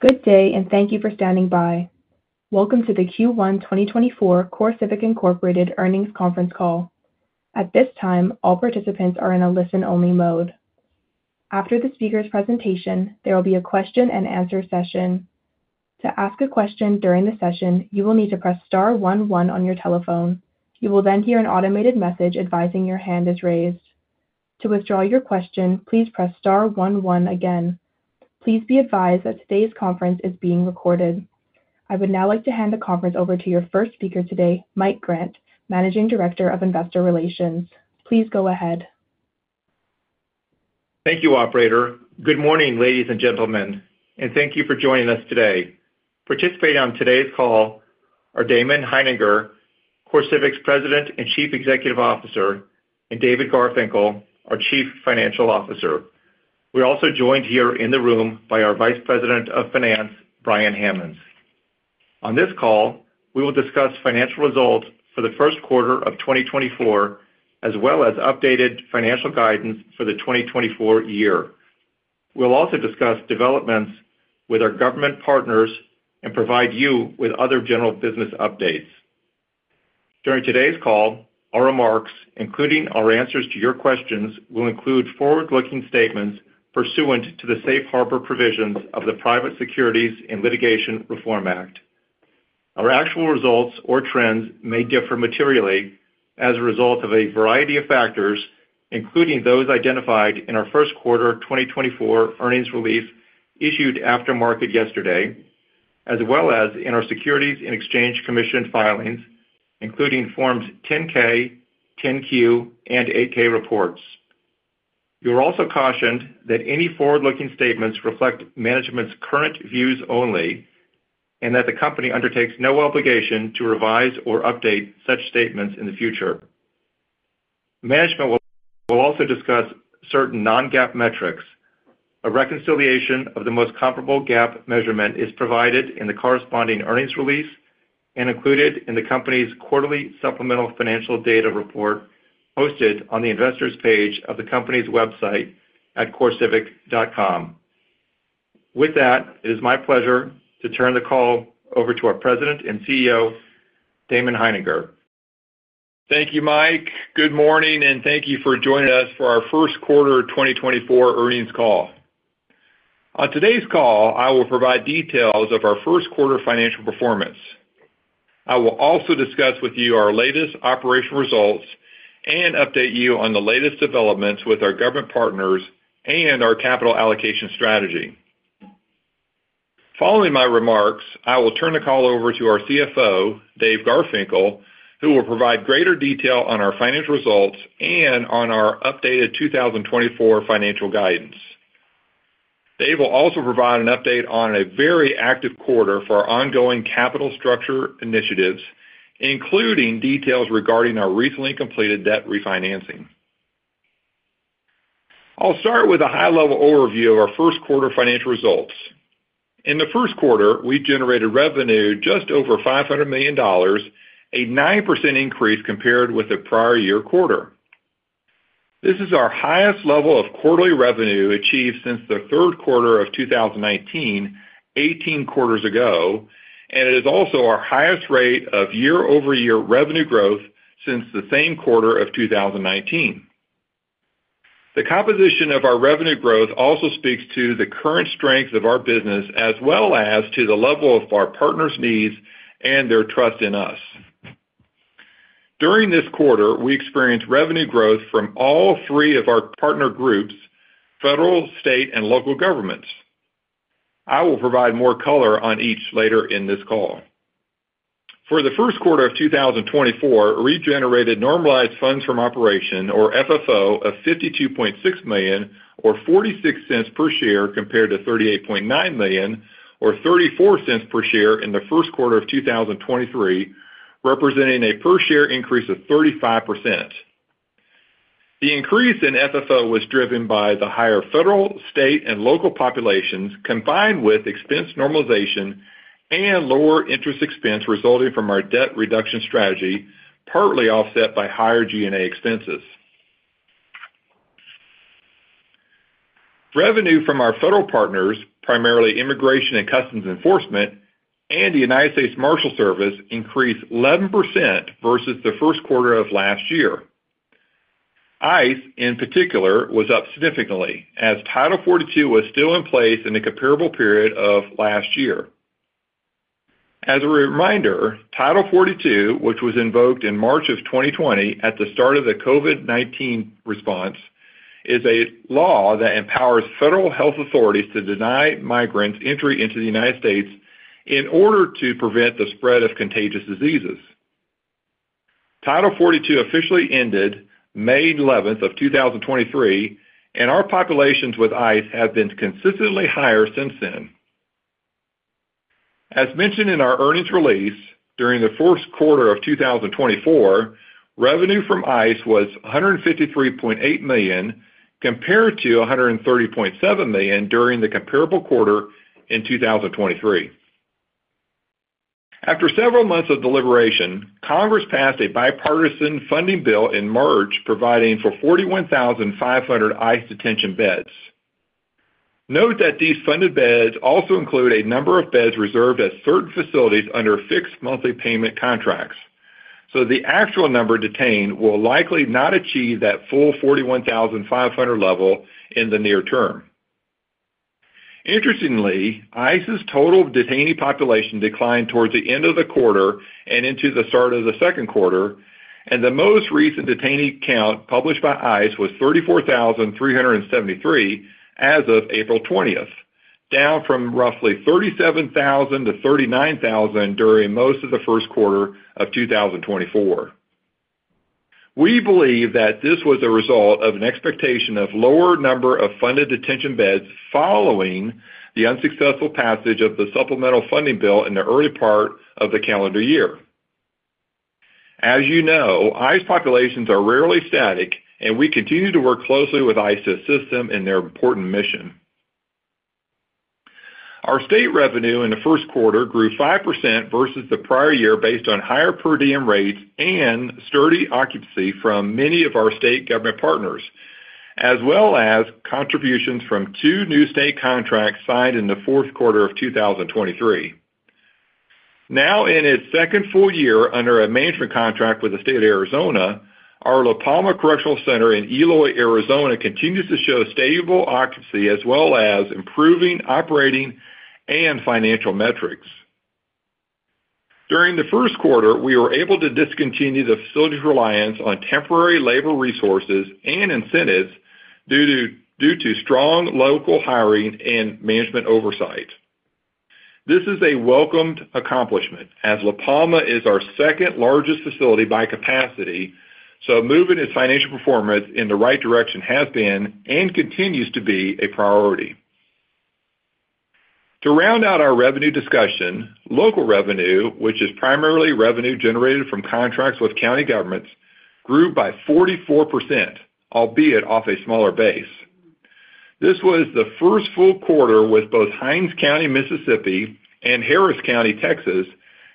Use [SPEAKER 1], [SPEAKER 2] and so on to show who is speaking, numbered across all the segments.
[SPEAKER 1] Good day, and thank you for standing by. Welcome to the Q1 2024 CoreCivic Incorporated Earnings Conference call. At this time, all participants are in a listen-only mode. After the speaker's presentation, there will be a question-and-answer session. To ask a question during the session, you will need to press star one one on your telephone. You will then hear an automated message advising your hand is raised. To withdraw your question, please press star one one again. Please be advised that today's conference is being recorded. I would now like to hand the conference over to your first speaker today, Mike Grant, Managing Director of Investor Relations. Please go ahead.
[SPEAKER 2] Thank you, operator. Good morning, ladies and gentlemen, and thank you for joining us today. Participating on today's call are Damon Hininger, CoreCivic's President and Chief Executive Officer, and David Garfinkle, our Chief Financial Officer. We're also joined here in the room by our Vice President of Finance, Brian Hammonds. On this call, we will discuss financial results for the first quarter of 2024 as well as updated financial guidance for the 2024 year. We'll also discuss developments with our government partners and provide you with other general business updates. During today's call, our remarks, including our answers to your questions, will include forward-looking statements pursuant to the Safe Harbor provisions of the Private Securities and Litigation Reform Act. Our actual results or trends may differ materially as a result of a variety of factors, including those identified in our first quarter 2024 earnings release issued after market yesterday, as well as in our Securities and Exchange Commission filings, including Forms 10-K, 10-Q, and 8-K reports. You're also cautioned that any forward-looking statements reflect management's current views only and that the company undertakes no obligation to revise or update such statements in the future. Management will also discuss certain non-GAAP metrics. A reconciliation of the most comparable GAAP measurement is provided in the corresponding earnings release and included in the company's quarterly supplemental financial data report posted on the investors' page of the company's website at corecivic.com. With that, it is my pleasure to turn the call over to our President and CEO, Damon Hininger.
[SPEAKER 3] Thank you, Mike. Good morning, and thank you for joining us for our first quarter 2024 earnings call. On today's call, I will provide details of our first quarter financial performance. I will also discuss with you our latest operational results and update you on the latest developments with our government partners and our capital allocation strategy. Following my remarks, I will turn the call over to our CFO, Dave Garfinkle, who will provide greater detail on our financial results and on our updated 2024 financial guidance. Dave will also provide an update on a very active quarter for our ongoing capital structure initiatives, including details regarding our recently completed debt refinancing. I'll start with a high-level overview of our first quarter financial results. In the first quarter, we generated revenue just over $500 million, a 9% increase compared with the prior year quarter. This is our highest level of quarterly revenue achieved since the third quarter of 2019, 18 quarters ago, and it is also our highest rate of year-over-year revenue growth since the same quarter of 2019. The composition of our revenue growth also speaks to the current strengths of our business as well as to the level of our partners' needs and their trust in us. During this quarter, we experienced revenue growth from all three of our partner groups, federal, state, and local governments. I will provide more color on each later in this call. For the first quarter of 2024, we generated normalized funds from operations, or FFO, of $52.6 million or $0.46 per share compared to $38.9 million or $0.34 per share in the first quarter of 2023, representing a per-share increase of 35%. The increase in FFO was driven by the higher federal, state, and local populations combined with expense normalization and lower interest expense resulting from our debt reduction strategy, partly offset by higher G&A expenses. Revenue from our federal partners, primarily Immigration and Customs Enforcement and the United States Marshals Service, increased 11% versus the first quarter of last year. ICE, in particular, was up significantly as Title 42 was still in place in the comparable period of last year. As a reminder, Title 42, which was invoked in March of 2020 at the start of the COVID-19 response, is a law that empowers federal health authorities to deny migrants entry into the United States in order to prevent the spread of contagious diseases. Title 42 officially ended May 11th of 2023, and our populations with ICE have been consistently higher since then. As mentioned in our earnings release, during the fourth quarter of 2024, revenue from ICE was $153.8 million compared to $130.7 million during the comparable quarter in 2023. After several months of deliberation, Congress passed a bipartisan funding bill in March providing for 41,500 ICE detention beds. Note that these funded beds also include a number of beds reserved at certain facilities under fixed monthly payment contracts, so the actual number detained will likely not achieve that full 41,500 level in the near term. Interestingly, ICE's total detainee population declined towards the end of the quarter and into the start of the second quarter, and the most recent detainee count published by ICE was 34,373 as of April 20th, down from roughly 37,000-39,000 during most of the first quarter of 2024. We believe that this was a result of an expectation of lower number of funded detention beds following the unsuccessful passage of the supplemental funding bill in the early part of the calendar year. As you know, ICE populations are rarely static, and we continue to work closely with ICE to assist them in their important mission. Our state revenue in the first quarter grew 5% versus the prior year based on higher per diem rates and steady occupancy from many of our state government partners, as well as contributions from two new state contracts signed in the fourth quarter of 2023. Now in its second full-year under a management contract with the State of Arizona, our La Palma Correctional Center in Eloy, Arizona, continues to show stable occupancy as well as improving operating and financial metrics. During the first quarter, we were able to discontinue the facility's reliance on temporary labor resources and incentives due to strong local hiring and management oversight. This is a welcomed accomplishment as La Palma is our second largest facility by capacity, so moving its financial performance in the right direction has been and continues to be a priority. To round out our revenue discussion, local revenue, which is primarily revenue generated from contracts with county governments, grew by 44%, albeit off a smaller base. This was the first full quarter with both Hinds County, Mississippi, and Harris County, Texas,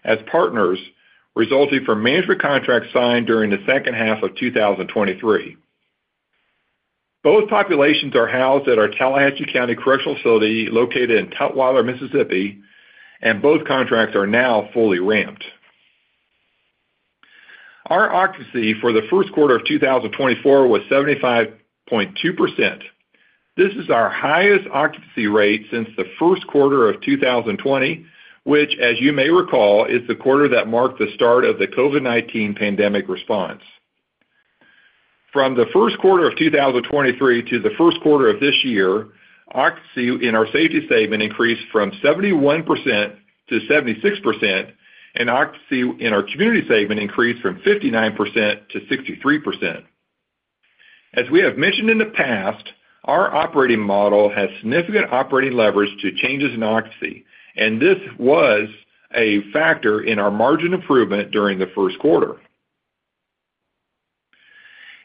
[SPEAKER 3] as partners, resulting from management contracts signed during the second half of 2023. Both populations are housed at our Tallahatchie County Correctional Facility located in Tutwiler, Mississippi, and both contracts are now fully ramped. Our occupancy for the first quarter of 2024 was 75.2%. This is our highest occupancy rate since the first quarter of 2020, which, as you may recall, is the quarter that marked the start of the COVID-19 pandemic response. From the first quarter of 2023 to the first quarter of this year, occupancy in our safety segment increased from 71% to 76%, and occupancy in our community segment increased from 59% to 63%. As we have mentioned in the past, our operating model has significant operating leverage to changes in occupancy, and this was a factor in our margin improvement during the first quarter.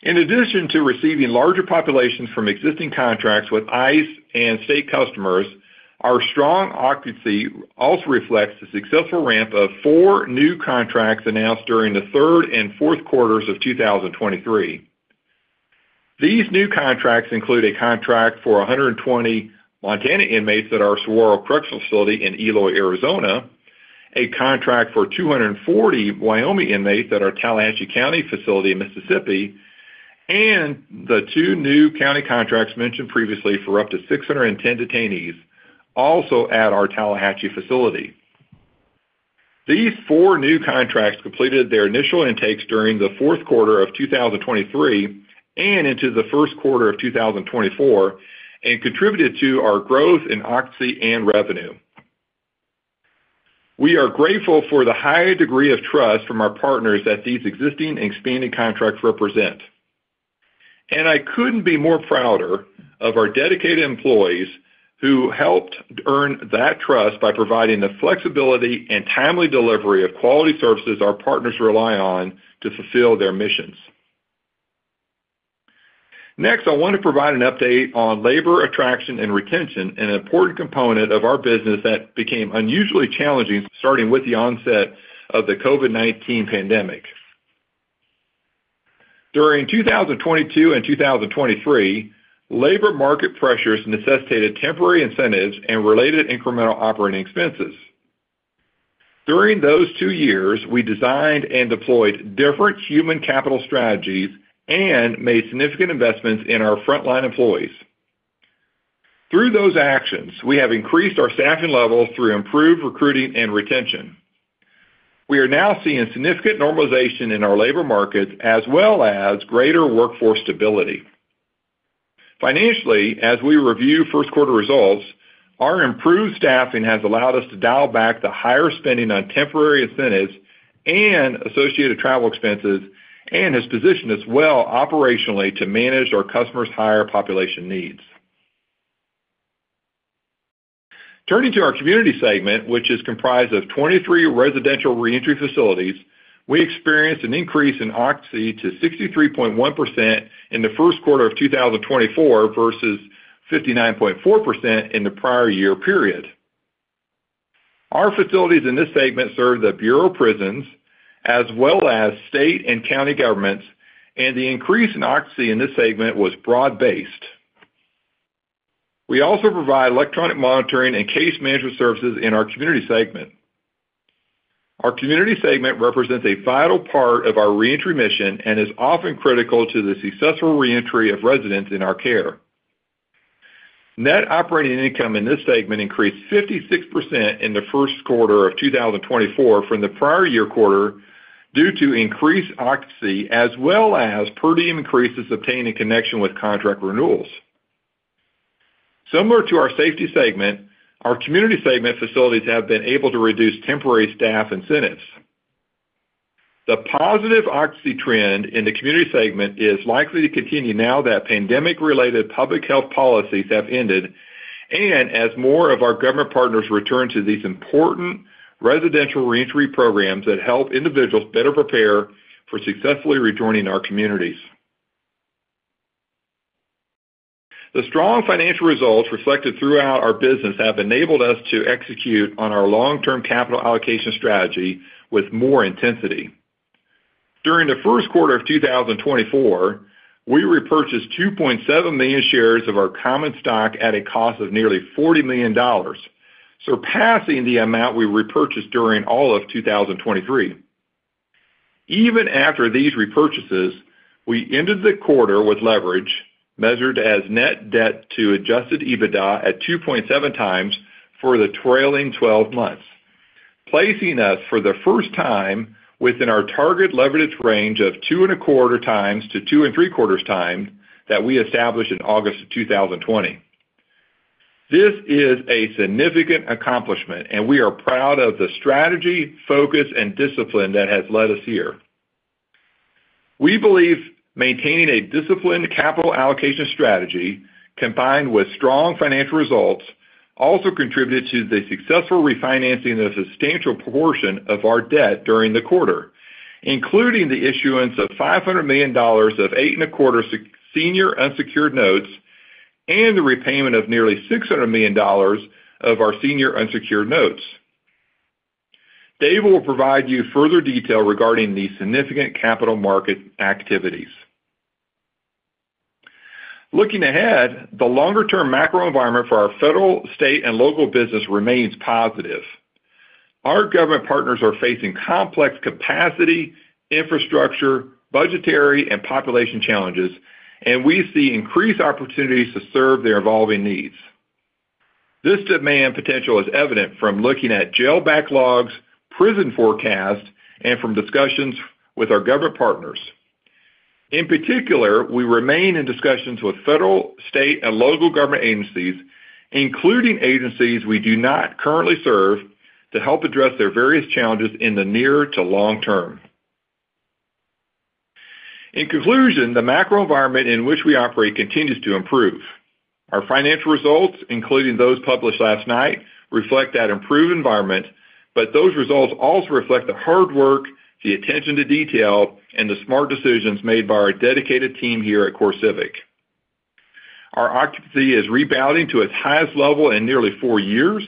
[SPEAKER 3] In addition to receiving larger populations from existing contracts with ICE and state customers, our strong occupancy also reflects the successful ramp of four new contracts announced during the third and fourth quarters of 2023. These new contracts include a contract for 120 Montana inmates at our Saguaro Correctional Facility in Eloy, Arizona, a contract for 240 Wyoming inmates at our Tallahatchie County Facility in Mississippi, and the two new county contracts mentioned previously for up to 610 detainees also at our Tallahatchie Facility. These four new contracts completed their initial intakes during the fourth quarter of 2023 and into the first quarter of 2024 and contributed to our growth in occupancy and revenue. We are grateful for the high degree of trust from our partners that these existing and expanding contracts represent, and I couldn't be more prouder of our dedicated employees who helped earn that trust by providing the flexibility and timely delivery of quality services our partners rely on to fulfill their missions. Next, I want to provide an update on labor attraction and retention, an important component of our business that became unusually challenging starting with the onset of the COVID-19 pandemic. During 2022 and 2023, labor market pressures necessitated temporary incentives and related incremental operating expenses. During those two years, we designed and deployed different human capital strategies and made significant investments in our frontline employees. Through those actions, we have increased our staffing levels through improved recruiting and retention. We are now seeing significant normalization in our labor markets as well as greater workforce stability. Financially, as we review first quarter results, our improved staffing has allowed us to dial back the higher spending on temporary incentives and associated travel expenses and has positioned us well operationally to manage our customers' higher population needs. Turning to our community segment, which is comprised of 23 residential reentry facilities, we experienced an increase in occupancy to 63.1% in the first quarter of 2024 versus 59.4% in the prior year period. Our facilities in this segment serve the Bureau of Prisons as well as state and county governments, and the increase in occupancy in this segment was broad-based. We also provide electronic monitoring and case management services in our community segment. Our community segment represents a vital part of our reentry mission and is often critical to the successful reentry of residents in our care. Net operating income in this segment increased 56% in the first quarter of 2024 from the prior year quarter due to increased occupancy as well as per diem increases obtained in connection with contract renewals. Similar to our safety segment, our community segment facilities have been able to reduce temporary staff incentives. The positive occupancy trend in the community segment is likely to continue now that pandemic-related public health policies have ended and as more of our government partners return to these important residential reentry programs that help individuals better prepare for successfully rejoining our communities. The strong financial results reflected throughout our business have enabled us to execute on our long-term capital allocation strategy with more intensity. During the first quarter of 2024, we repurchased 2.7 million shares of our common stock at a cost of nearly $40 million, surpassing the amount we repurchased during all of 2023. Even after these repurchases, we ended the quarter with leverage measured as net debt to adjusted EBITDA at 2.7x for the trailing 12 months, placing us for the first time within our target leverage range of 2.25x-2.75x that we established in August of 2020. This is a significant accomplishment, and we are proud of the strategy, focus, and discipline that has led us here. We believe maintaining a disciplined capital allocation strategy combined with strong financial results also contributed to the successful refinancing of a substantial portion of our debt during the quarter, including the issuance of $500 million of 8.25% senior unsecured notes and the repayment of nearly $600 million of our senior unsecured notes. David will provide you further detail regarding these significant capital market activities. Looking ahead, the longer-term macro environment for our federal, state, and local business remains positive. Our government partners are facing complex capacity, infrastructure, budgetary, and population challenges, and we see increased opportunities to serve their evolving needs. This demand potential is evident from looking at jail backlogs, prison forecasts, and from discussions with our government partners. In particular, we remain in discussions with federal, state, and local government agencies, including agencies we do not currently serve, to help address their various challenges in the near to long term. In conclusion, the macro environment in which we operate continues to improve. Our financial results, including those published last night, reflect that improved environment, but those results also reflect the hard work, the attention to detail, and the smart decisions made by our dedicated team here at CoreCivic. Our occupancy is rebounding to its highest level in nearly four years,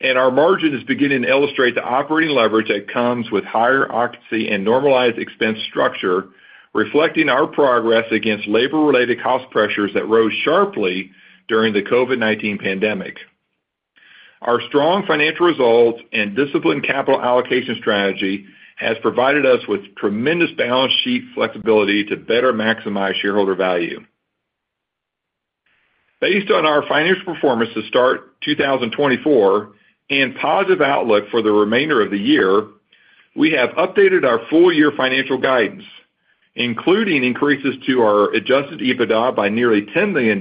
[SPEAKER 3] and our margin is beginning to illustrate the operating leverage that comes with higher occupancy and normalized expense structure, reflecting our progress against labor-related cost pressures that rose sharply during the COVID-19 pandemic. Our strong financial results and disciplined capital allocation strategy have provided us with tremendous balance sheet flexibility to better maximize shareholder value. Based on our financial performance to start 2024 and positive outlook for the remainder of the year, we have updated our full-year financial guidance, including increases to our adjusted EBITDA by nearly $10 million,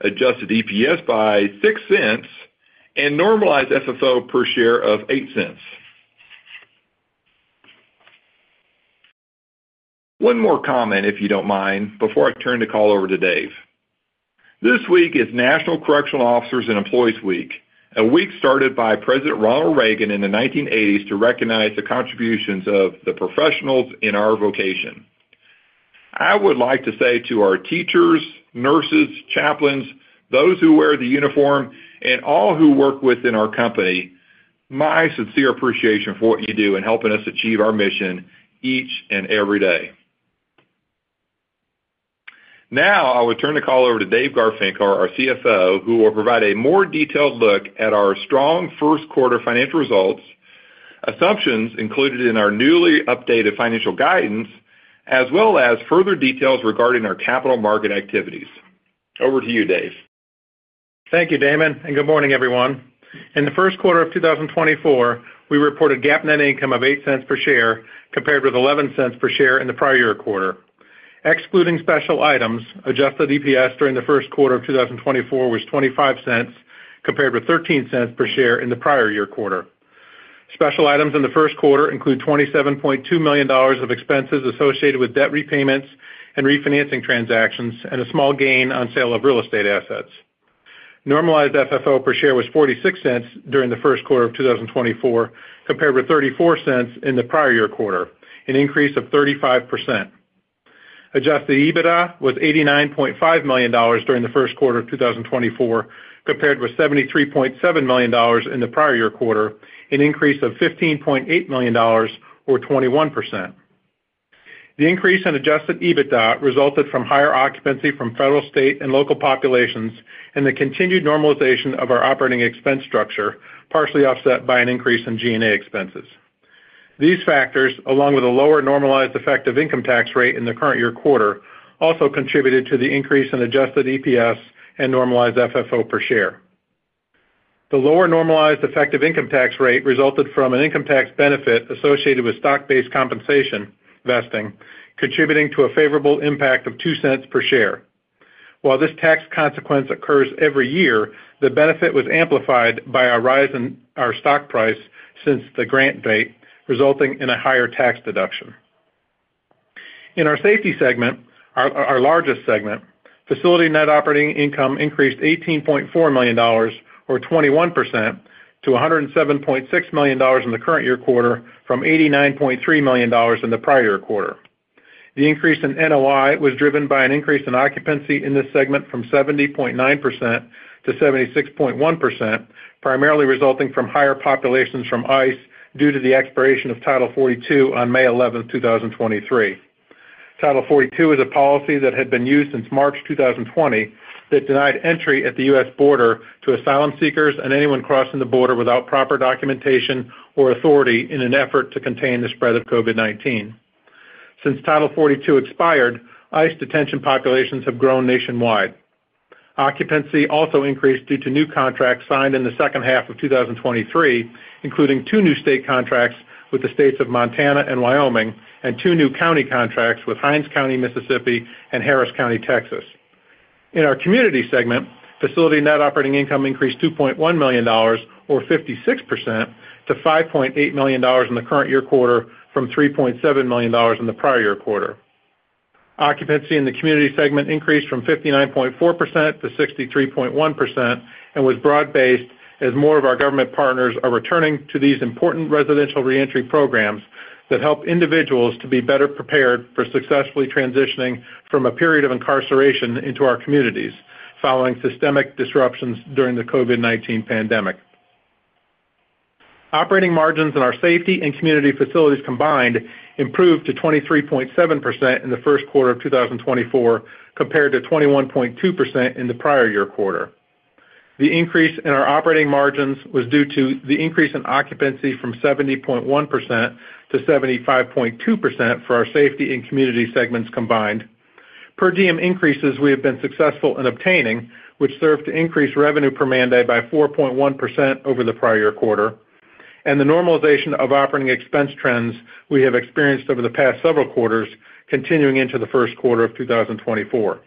[SPEAKER 3] adjusted EPS by $0.06, and normalized FFO per share of $0.08. One more comment, if you don't mind, before I turn the call over to Dave. This week is National Correctional Officers and Employees Week, a week started by President Ronald Reagan in the 1980s to recognize the contributions of the professionals in our vocation. I would like to say to our teachers, nurses, chaplains, those who wear the uniform, and all who work within our company, my sincere appreciation for what you do in helping us achieve our mission each and every day. Now I would turn the call over to Dave Garfinkle, our CFO, who will provide a more detailed look at our strong first quarter financial results, assumptions included in our newly updated financial guidance, as well as further details regarding our capital market activities. Over to you, Dave.
[SPEAKER 4] Thank you, Damon, and good morning, everyone. In the first quarter of 2024, we reported GAAP net income of $0.08 per share compared with $0.11 per share in the prior year quarter. Excluding special items, adjusted EPS during the first quarter of 2024 was $0.25 compared with $0.13 per share in the prior year quarter. Special items in the first quarter include $27.2 million of expenses associated with debt repayments and refinancing transactions and a small gain on sale of real estate assets. Normalized FFO per share was $0.46 during the first quarter of 2024 compared with $0.34 in the prior year quarter, an increase of 35%. Adjusted EBITDA was $89.5 million during the first quarter of 2024 compared with $73.7 million in the prior year quarter, an increase of $15.8 million or 21%. The increase in adjusted EBITDA resulted from higher occupancy from federal, state, and local populations and the continued normalization of our operating expense structure, partially offset by an increase in G&A expenses. These factors, along with a lower normalized effective income tax rate in the current year quarter, also contributed to the increase in adjusted EPS and normalized FFO per share. The lower normalized effective income tax rate resulted from an income tax benefit associated with stock-based compensation vesting, contributing to a favorable impact of $0.02 per share. While this tax consequence occurs every year, the benefit was amplified by our stock price since the grant date, resulting in a higher tax deduction. In our safety segment, our largest segment, facility net operating income increased $18.4 million or 21% to $107.6 million in the current year quarter from $89.3 million in the prior year quarter. The increase in NOI was driven by an increase in occupancy in this segment from 70.9% to 76.1%, primarily resulting from higher populations from ICE due to the expiration of Title 42 on May 11th, 2023. Title 42 is a policy that had been used since March 2020 that denied entry at the U.S. border to asylum seekers and anyone crossing the border without proper documentation or authority in an effort to contain the spread of COVID-19. Since Title 42 expired, ICE detention populations have grown nationwide. Occupancy also increased due to new contracts signed in the second half of 2023, including two new state contracts with the states of Montana and Wyoming and two new county contracts with Hinds County, Mississippi, and Harris County, Texas. In our community segment, facility net operating income increased $2.1 million or 56% to $5.8 million in the current year quarter from $3.7 million in the prior year quarter. Occupancy in the community segment increased from 59.4% to 63.1% and was broad-based as more of our government partners are returning to these important residential reentry programs that help individuals to be better prepared for successfully transitioning from a period of incarceration into our communities following systemic disruptions during the COVID-19 pandemic. Operating margins in our safety and community facilities combined improved to 23.7% in the first quarter of 2024 compared to 21.2% in the prior year quarter. The increase in our operating margins was due to the increase in occupancy from 70.1% to 75.2% for our safety and community segments combined. Per diem increases we have been successful in obtaining, which served to increase revenue per inmate by 4.1% over the prior year quarter, and the normalization of operating expense trends we have experienced over the past several quarters continuing into the first quarter of 2024.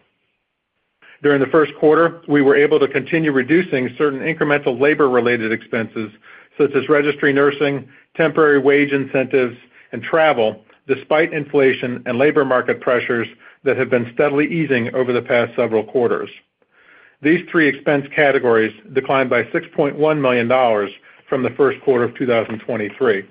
[SPEAKER 4] During the first quarter, we were able to continue reducing certain incremental labor-related expenses such as registry nursing, temporary wage incentives, and travel despite inflation and labor market pressures that have been steadily easing over the past several quarters. These three expense categories declined by $6.1 million from the first quarter of 2023.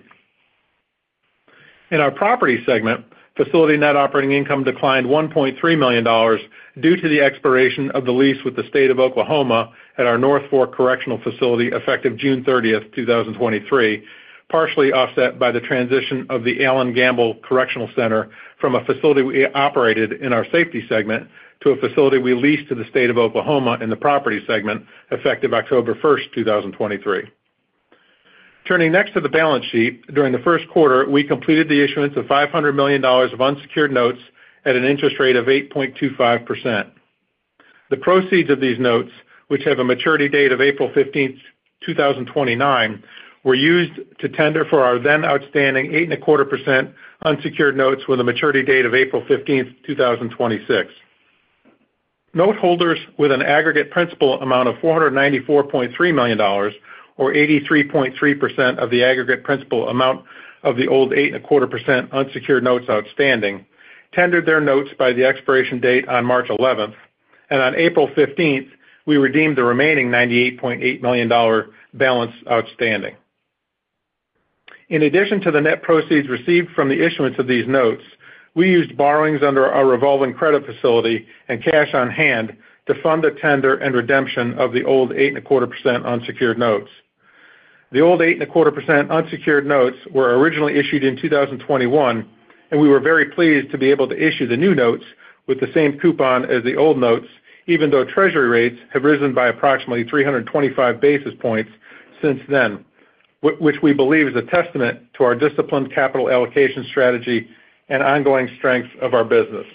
[SPEAKER 4] In our property segment, facility net operating income declined $1.3 million due to the expiration of the lease with the State of Oklahoma at our North Fork Correctional Facility effective June 30th, 2023, partially offset by the transition of the Allen Gamble Correctional Center from a facility we operated in our safety segment to a facility we leased to the State of Oklahoma in the property segment effective October 1st, 2023. Turning next to the balance sheet, during the first quarter, we completed the issuance of $500 million of unsecured notes at an interest rate of 8.25%. The proceeds of these notes, which have a maturity date of April 15th, 2029, were used to tender for our then outstanding 8.25% unsecured notes with a maturity date of April 15th, 2026. Noteholders with an aggregate principal amount of $494.3 million or 83.3% of the aggregate principal amount of the old 8.25% unsecured notes outstanding tendered their notes by the expiration date on March 11th, and on April 15th, we redeemed the remaining $98.8 million balance outstanding. In addition to the net proceeds received from the issuance of these notes, we used borrowings under our revolving credit facility and cash on hand to fund the tender and redemption of the old 8.25% unsecured notes. The old 8.25% unsecured notes were originally issued in 2021, and we were very pleased to be able to issue the new notes with the same coupon as the old notes, even though treasury rates have risen by approximately 325 basis points since then, which we believe is a testament to our disciplined capital allocation strategy and ongoing strength of our business.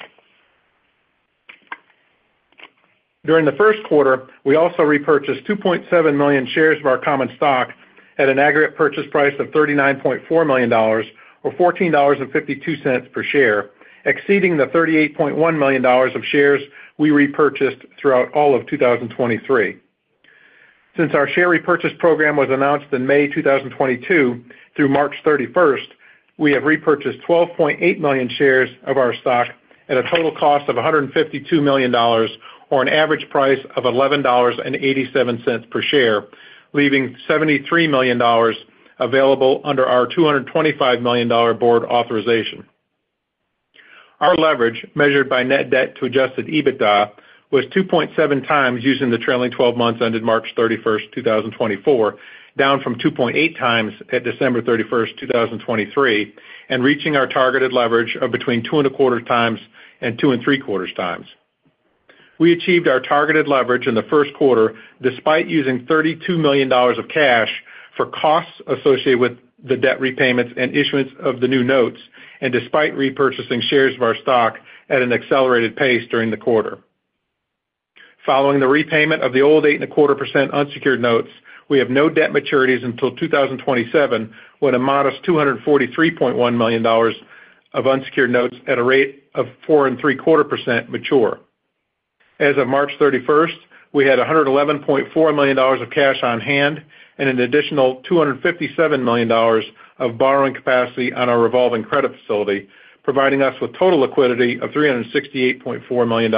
[SPEAKER 4] During the first quarter, we also repurchased 2.7 million shares of our common stock at an aggregate purchase price of $39.4 million or $14.52 per share, exceeding the $38.1 million of shares we repurchased throughout all of 2023. Since our share repurchase program was announced in May 2022 through March 31st, we have repurchased 12.8 million shares of our stock at a total cost of $152 million or an average price of $11.87 per share, leaving $73 million available under our $225 million board authorization. Our leverage, measured by net debt to adjusted EBITDA, was 2.7x using the trailing 12 months ended March 31st, 2024, down from 2.8x at December 31st, 2023, and reaching our targeted leverage of between 2.25x and 2.75x. We achieved our targeted leverage in the first quarter despite using $32 million of cash for costs associated with the debt repayments and issuance of the new notes, and despite repurchasing shares of our stock at an accelerated pace during the quarter. Following the repayment of the old 8.25% unsecured notes, we have no debt maturities until 2027 when a modest $243.1 million of unsecured notes at a rate of 4.75% mature. As of March 31st, we had $111.4 million of cash on hand and an additional $257 million of borrowing capacity on our revolving credit facility, providing us with total liquidity of $368.4 million.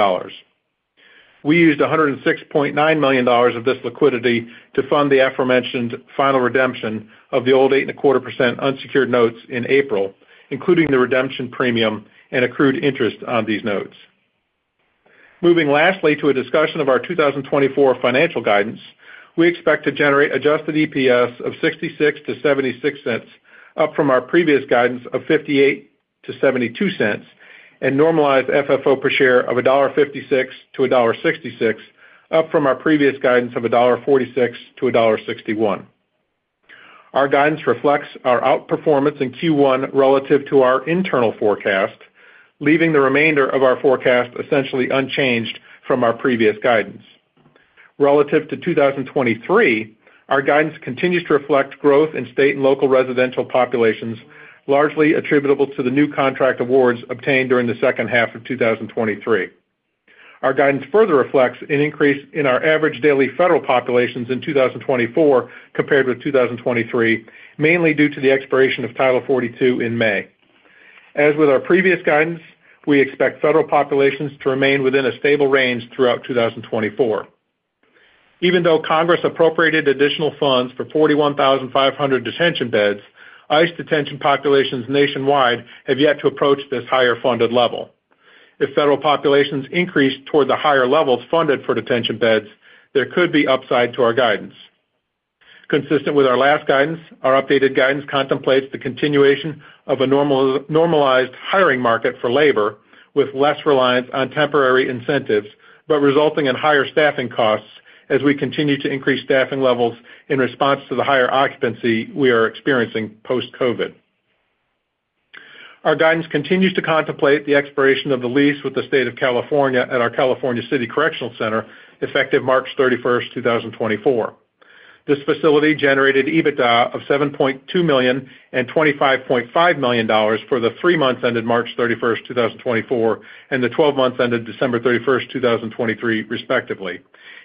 [SPEAKER 4] We used $106.9 million of this liquidity to fund the aforementioned final redemption of the old 8.25% unsecured notes in April, including the redemption premium and accrued interest on these notes. Moving lastly to a discussion of our 2024 financial guidance, we expect to generate adjusted EPS of $0.66-$0.76, up from our previous guidance of $0.58-$0.72, and normalized FFO per share of $1.56-$1.66, up from our previous guidance of $1.46-$1.61. Our guidance reflects our outperformance in Q1 relative to our internal forecast, leaving the remainder of our forecast essentially unchanged from our previous guidance. Relative to 2023, our guidance continues to reflect growth in state and local residential populations, largely attributable to the new contract awards obtained during the second half of 2023. Our guidance further reflects an increase in our average daily federal populations in 2024 compared with 2023, mainly due to the expiration of Title 42 in May. As with our previous guidance, we expect federal populations to remain within a stable range throughout 2024. Even though Congress appropriated additional funds for 41,500 detention beds, ICE detention populations nationwide have yet to approach this higher funded level. If federal populations increase toward the higher levels funded for detention beds, there could be upside to our guidance. Consistent with our last guidance, our updated guidance contemplates the continuation of a normalized hiring market for labor with less reliance on temporary incentives but resulting in higher staffing costs as we continue to increase staffing levels in response to the higher occupancy we are experiencing post-COVID. Our guidance continues to contemplate the expiration of the lease with the State of California at our California City Correctional Center effective March 31st, 2024. This facility generated EBITDA of $7.2 million and $25.5 million for the three months ended March 31st, 2024, and the 12 months ended December 31st, 2023, respectively,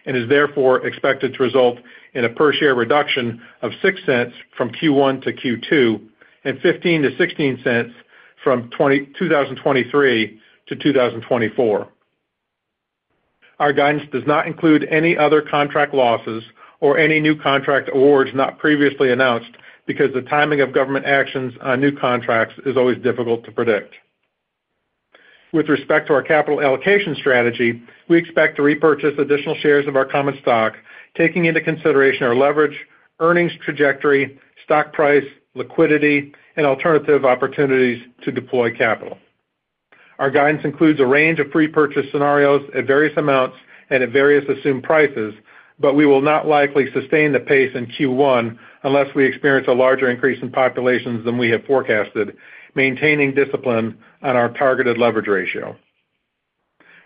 [SPEAKER 4] and is therefore expected to result in a per share reduction of $0.06 from Q1 to Q2 and $0.15-$0.16 from 2023 to 2024. Our guidance does not include any other contract losses or any new contract awards not previously announced because the timing of government actions on new contracts is always difficult to predict. With respect to our capital allocation strategy, we expect to repurchase additional shares of our common stock, taking into consideration our leverage, earnings trajectory, stock price, liquidity, and alternative opportunities to deploy capital. Our guidance includes a range of pre-purchase scenarios at various amounts and at various assumed prices, but we will not likely sustain the pace in Q1 unless we experience a larger increase in populations than we have forecasted, maintaining discipline on our targeted leverage ratio.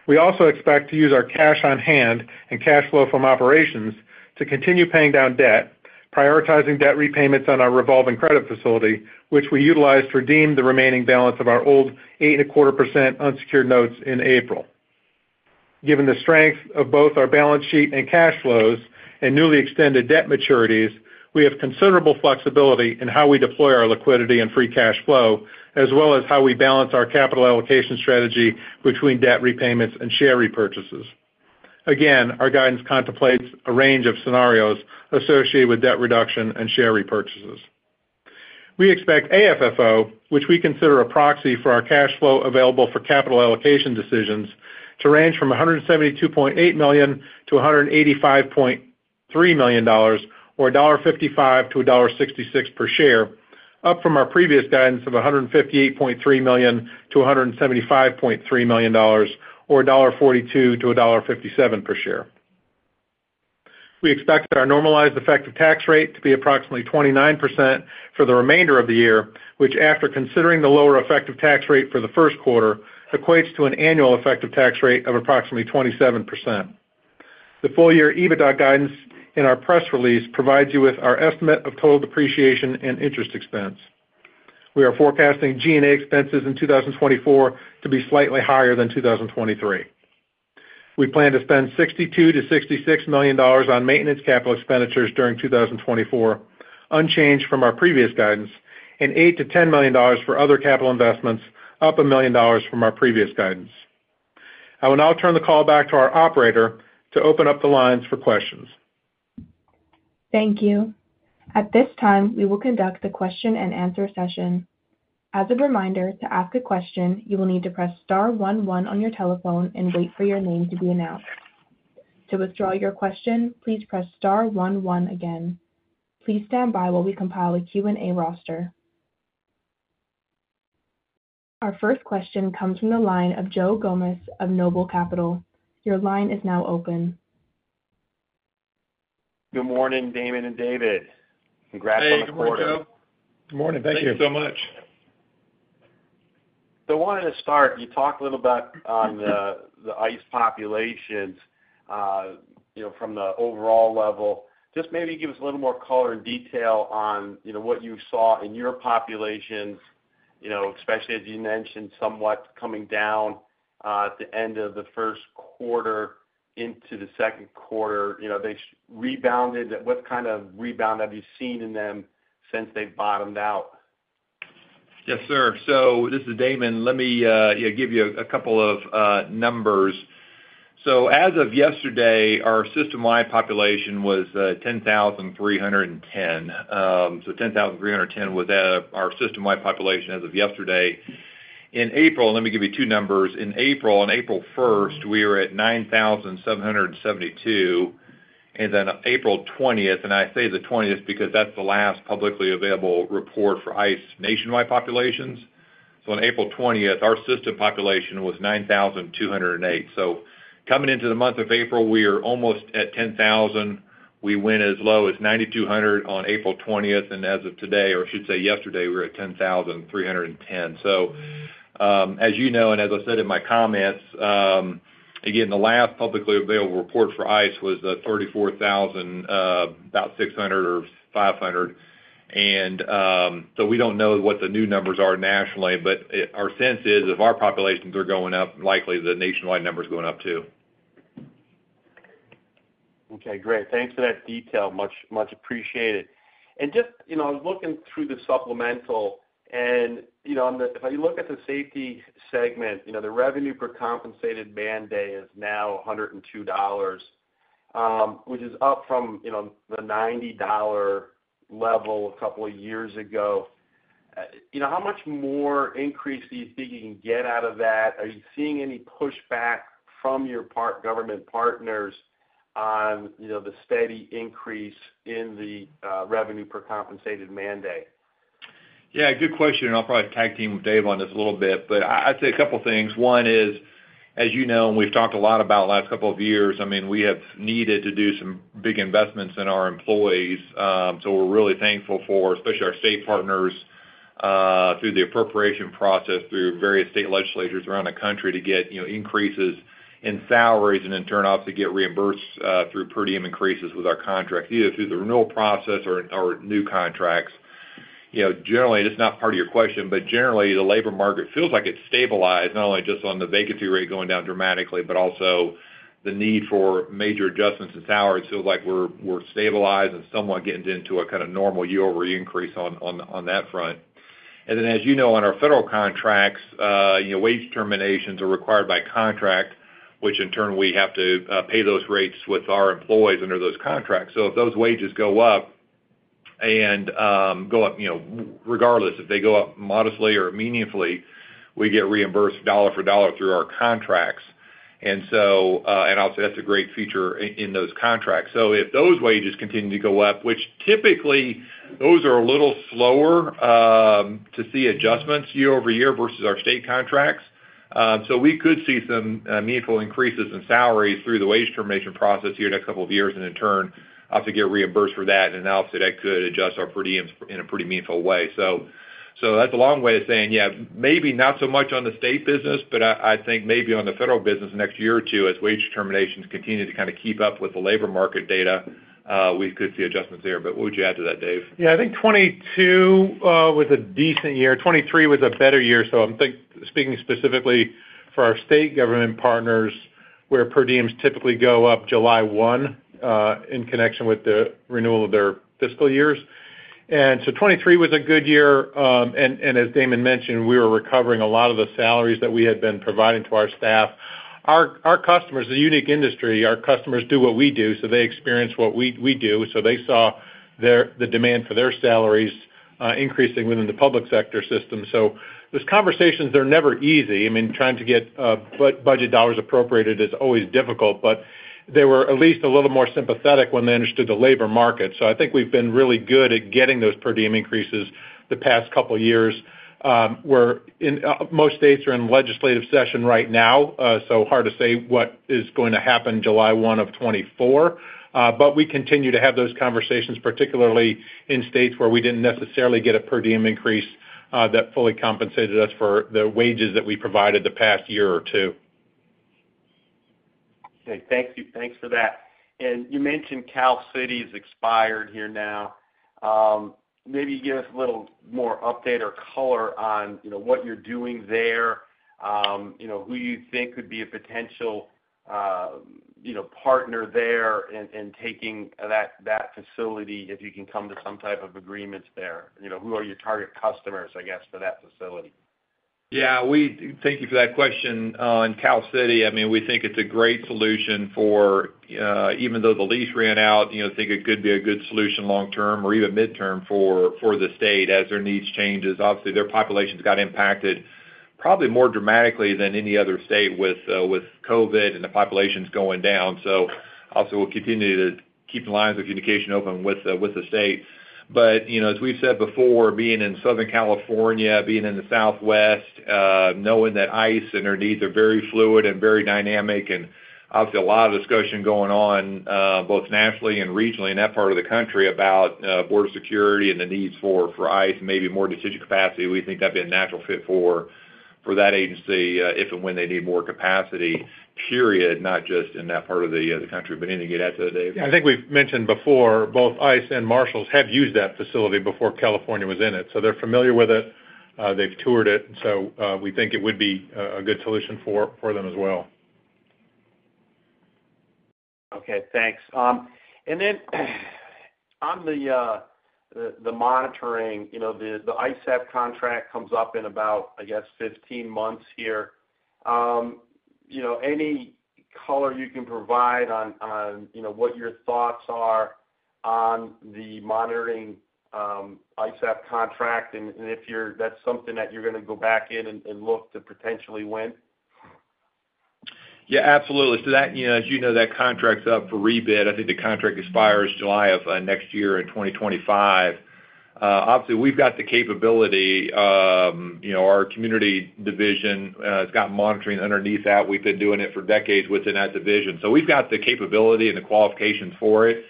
[SPEAKER 4] We also expect to use our cash on hand and cash flow from operations to continue paying down debt, prioritizing debt repayments on our revolving credit facility, which we utilize to redeem the remaining balance of our old 8.25% unsecured notes in April. Given the strength of both our balance sheet and cash flows and newly extended debt maturities, we have considerable flexibility in how we deploy our liquidity and free cash flow, as well as how we balance our capital allocation strategy between debt repayments and share repurchases. Again, our guidance contemplates a range of scenarios associated with debt reduction and share repurchases. We expect AFFO, which we consider a proxy for our cash flow available for capital allocation decisions, to range from $172.8 million-$185.3 million or $1.55-$1.66 per share, up from our previous guidance of $158.3 million-$175.3 million or $1.42-$1.57 per share. We expect our normalized effective tax rate to be approximately 29% for the remainder of the year, which, after considering the lower effective tax rate for the first quarter, equates to an annual effective tax rate of approximately 27%. The full-year EBITDA guidance in our press release provides you with our estimate of total depreciation and interest expense. We are forecasting G&A expenses in 2024 to be slightly higher than 2023. We plan to spend $62 million-$66 million on maintenance capital expenditures during 2024, unchanged from our previous guidance, and $8 million-$10 million for other capital investments, up $1 million from our previous guidance. I will now turn the call back to our operator to open up the lines for questions.
[SPEAKER 1] Thank you. At this time, we will conduct the question-and-answer session. As a reminder, to ask a question, you will need to press star one one on your telephone and wait for your name to be announced. To withdraw your question, please press star one one again. Please stand by while we compile a Q&A roster. Our first question comes from the line of Joe Gomes of NOBLE Capital. Your line is now open.
[SPEAKER 5] Good morning, Damon and David. Congrats on the quarter.
[SPEAKER 3] Hey. Good morning, Joe.
[SPEAKER 4] Good morning. Thank you.
[SPEAKER 3] Thanks so much.
[SPEAKER 5] I wanted to start. You talked a little bit on the ICE populations from the overall level. Just maybe give us a little more color and detail on what you saw in your populations, especially as you mentioned somewhat coming down at the end of the first quarter into the second quarter. They rebounded. What kind of rebound have you seen in them since they've bottomed out?
[SPEAKER 3] Yes, sir. So this is Damon. Let me give you a couple of numbers. So as of yesterday, our system-wide population was 10,310. So 10,310 was our system-wide population as of yesterday. In April, let me give you two numbers. On April 1st, we were at 9,772. And then April 20th, and I say the 20th because that's the last publicly available report for ICE nationwide populations. So on April 20th, our system population was 9,208. So coming into the month of April, we are almost at 10,000. We went as low as 9,200 on April 20th. And as of today, or I should say yesterday, we were at 10,310. So as you know and as I said in my comments, again, the last publicly available report for ICE was 34,600 or 500. And so we don't know what the new numbers are nationally, but our sense is if our populations are going up, likely the nationwide number is going up too.
[SPEAKER 5] Okay. Great. Thanks for that detail. Much appreciated. And just I was looking through the supplemental. And if you look at the safety segment, the revenue per compensated man-day is now $102, which is up from the $90 level a couple of years ago. How much more increase do you think you can get out of that? Are you seeing any pushback from your government partners on the steady increase in the revenue per compensated man-day?
[SPEAKER 3] Yeah. Good question. And I'll probably tag team with Dave on this a little bit. But I'd say a couple of things. One is, as you know, and we've talked a lot about the last couple of years, I mean, we have needed to do some big investments in our employees. So we're really thankful for, especially our state partners through the appropriation process, through various state legislatures around the country to get increases in salaries and in turn, obviously, get reimbursed through per diem increases with our contracts, either through the renewal process or new contracts. Generally, it's not part of your question, but generally, the labor market feels like it's stabilized, not only just on the vacancy rate going down dramatically, but also the need for major adjustments in salaries. It feels like we're stabilized and somewhat getting into a kind of normal year-over-year increase on that front. Then, as you know, on our federal contracts, wage determinations are required by contract, which in turn, we have to pay those rates with our employees under those contracts. So if those wages go up and go up, regardless, if they go up modestly or meaningfully, we get reimbursed dollar for dollar through our contracts. And I'll say that's a great feature in those contracts. So if those wages continue to go up, which typically, those are a little slower to see adjustments year over year versus our state contracts. So we could see some meaningful increases in salaries through the wage determination process here in the next couple of years. And in turn, obviously, get reimbursed for that. And obviously, that could adjust our per diems in a pretty meaningful way. So that's a long way of saying, yeah, maybe not so much on the state business, but I think maybe on the federal business next year or two as wage terminations continue to kind of keep up with the labor market data, we could see adjustments there. But what would you add to that, Dave?
[SPEAKER 4] Yeah. I think 2022 was a decent year. 2023 was a better year. So speaking specifically for our state government partners, where per diems typically go up July 1 in connection with the renewal of their fiscal years. And so 2023 was a good year. And as Damon mentioned, we were recovering a lot of the salaries that we had been providing to our staff. Our customers are a unique industry. Our customers do what we do. So they experience what we do. So they saw the demand for their salaries increasing within the public sector system. So those conversations, they're never easy. I mean, trying to get budget dollars appropriated is always difficult. But they were at least a little more sympathetic when they understood the labor market. So I think we've been really good at getting those per diem increases the past couple of years. Most states are in legislative session right now, so hard to say what is going to happen July 1 of 2024. But we continue to have those conversations, particularly in states where we didn't necessarily get a per diem increase that fully compensated us for the wages that we provided the past year or two.
[SPEAKER 5] Okay. Thanks for that. And you mentioned Cal City's expired here now. Maybe give us a little more update or color on what you're doing there, who you think could be a potential partner there in taking that facility, if you can come to some type of agreements there. Who are your target customers, I guess, for that facility?
[SPEAKER 3] Yeah. Thank you for that question. On Cal City, I mean, we think it's a great solution for even though the lease ran out, I think it could be a good solution long-term or even mid-term for the state as their needs change. Obviously, their population's got impacted probably more dramatically than any other state with COVID and the populations going down. So obviously, we'll continue to keep lines of communication open with the state. But as we've said before, being in Southern California, being in the Southwest, knowing that ICE and their needs are very fluid and very dynamic, and obviously, a lot of discussion going on both nationally and regionally in that part of the country about border security and the needs for ICE and maybe more detention capacity, we think that'd be a natural fit for that agency if and when they need more capacity, period, not just in that part of the country. But anything to add to that, Dave?
[SPEAKER 4] Yeah. I think we've mentioned before, both ICE and Marshals have used that facility before California was in it. So they're familiar with it. They've toured it. And so we think it would be a good solution for them as well.
[SPEAKER 5] Okay. Thanks. And then on the monitoring, the ISAP contract comes up in about, I guess, 15 months here. Any color you can provide on what your thoughts are on the monitoring ISAP contract and if that's something that you're going to go back in and look to potentially win?
[SPEAKER 3] Yeah. Absolutely. So as you know, that contract's up for rebid. I think the contract expires July of next year in 2025. Obviously, we've got the capability. Our community division has got monitoring underneath that. We've been doing it for decades within that division. So we've got the capability and the qualifications for it.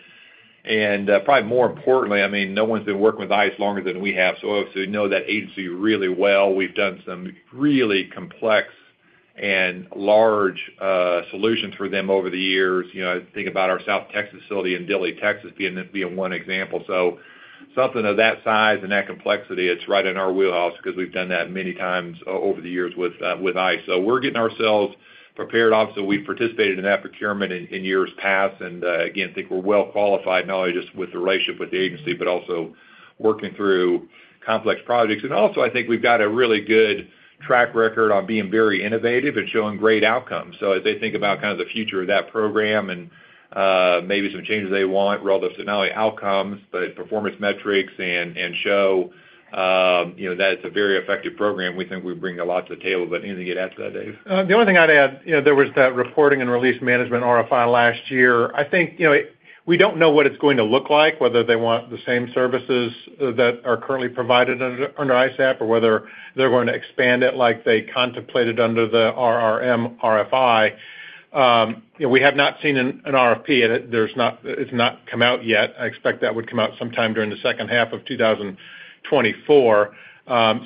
[SPEAKER 3] And probably more importantly, I mean, no one's been working with ICE longer than we have. So obviously, we know that agency really well. We've done some really complex and large solutions for them over the years. I think about our South Texas facility in Dilley, Texas, being one example. So something of that size and that complexity, it's right in our wheelhouse because we've done that many times over the years with ICE. So we're getting ourselves prepared. Obviously, we've participated in that procurement in years past. And again, I think we're well qualified, not only just with the relationship with the agency, but also working through complex projects. And also, I think we've got a really good track record on being very innovative and showing great outcomes. So as they think about kind of the future of that program and maybe some changes they want relative to not only outcomes, but performance metrics and show that it's a very effective program, we think we bring a lot to the table. But anything to add to that, Dave?
[SPEAKER 4] The only thing I'd add, there was that reporting and release management RFI last year. I think we don't know what it's going to look like, whether they want the same services that are currently provided under ISAP or whether they're going to expand it like they contemplated under the RRM RFI. We have not seen an RFP. It's not come out yet. I expect that would come out sometime during the second half of 2024.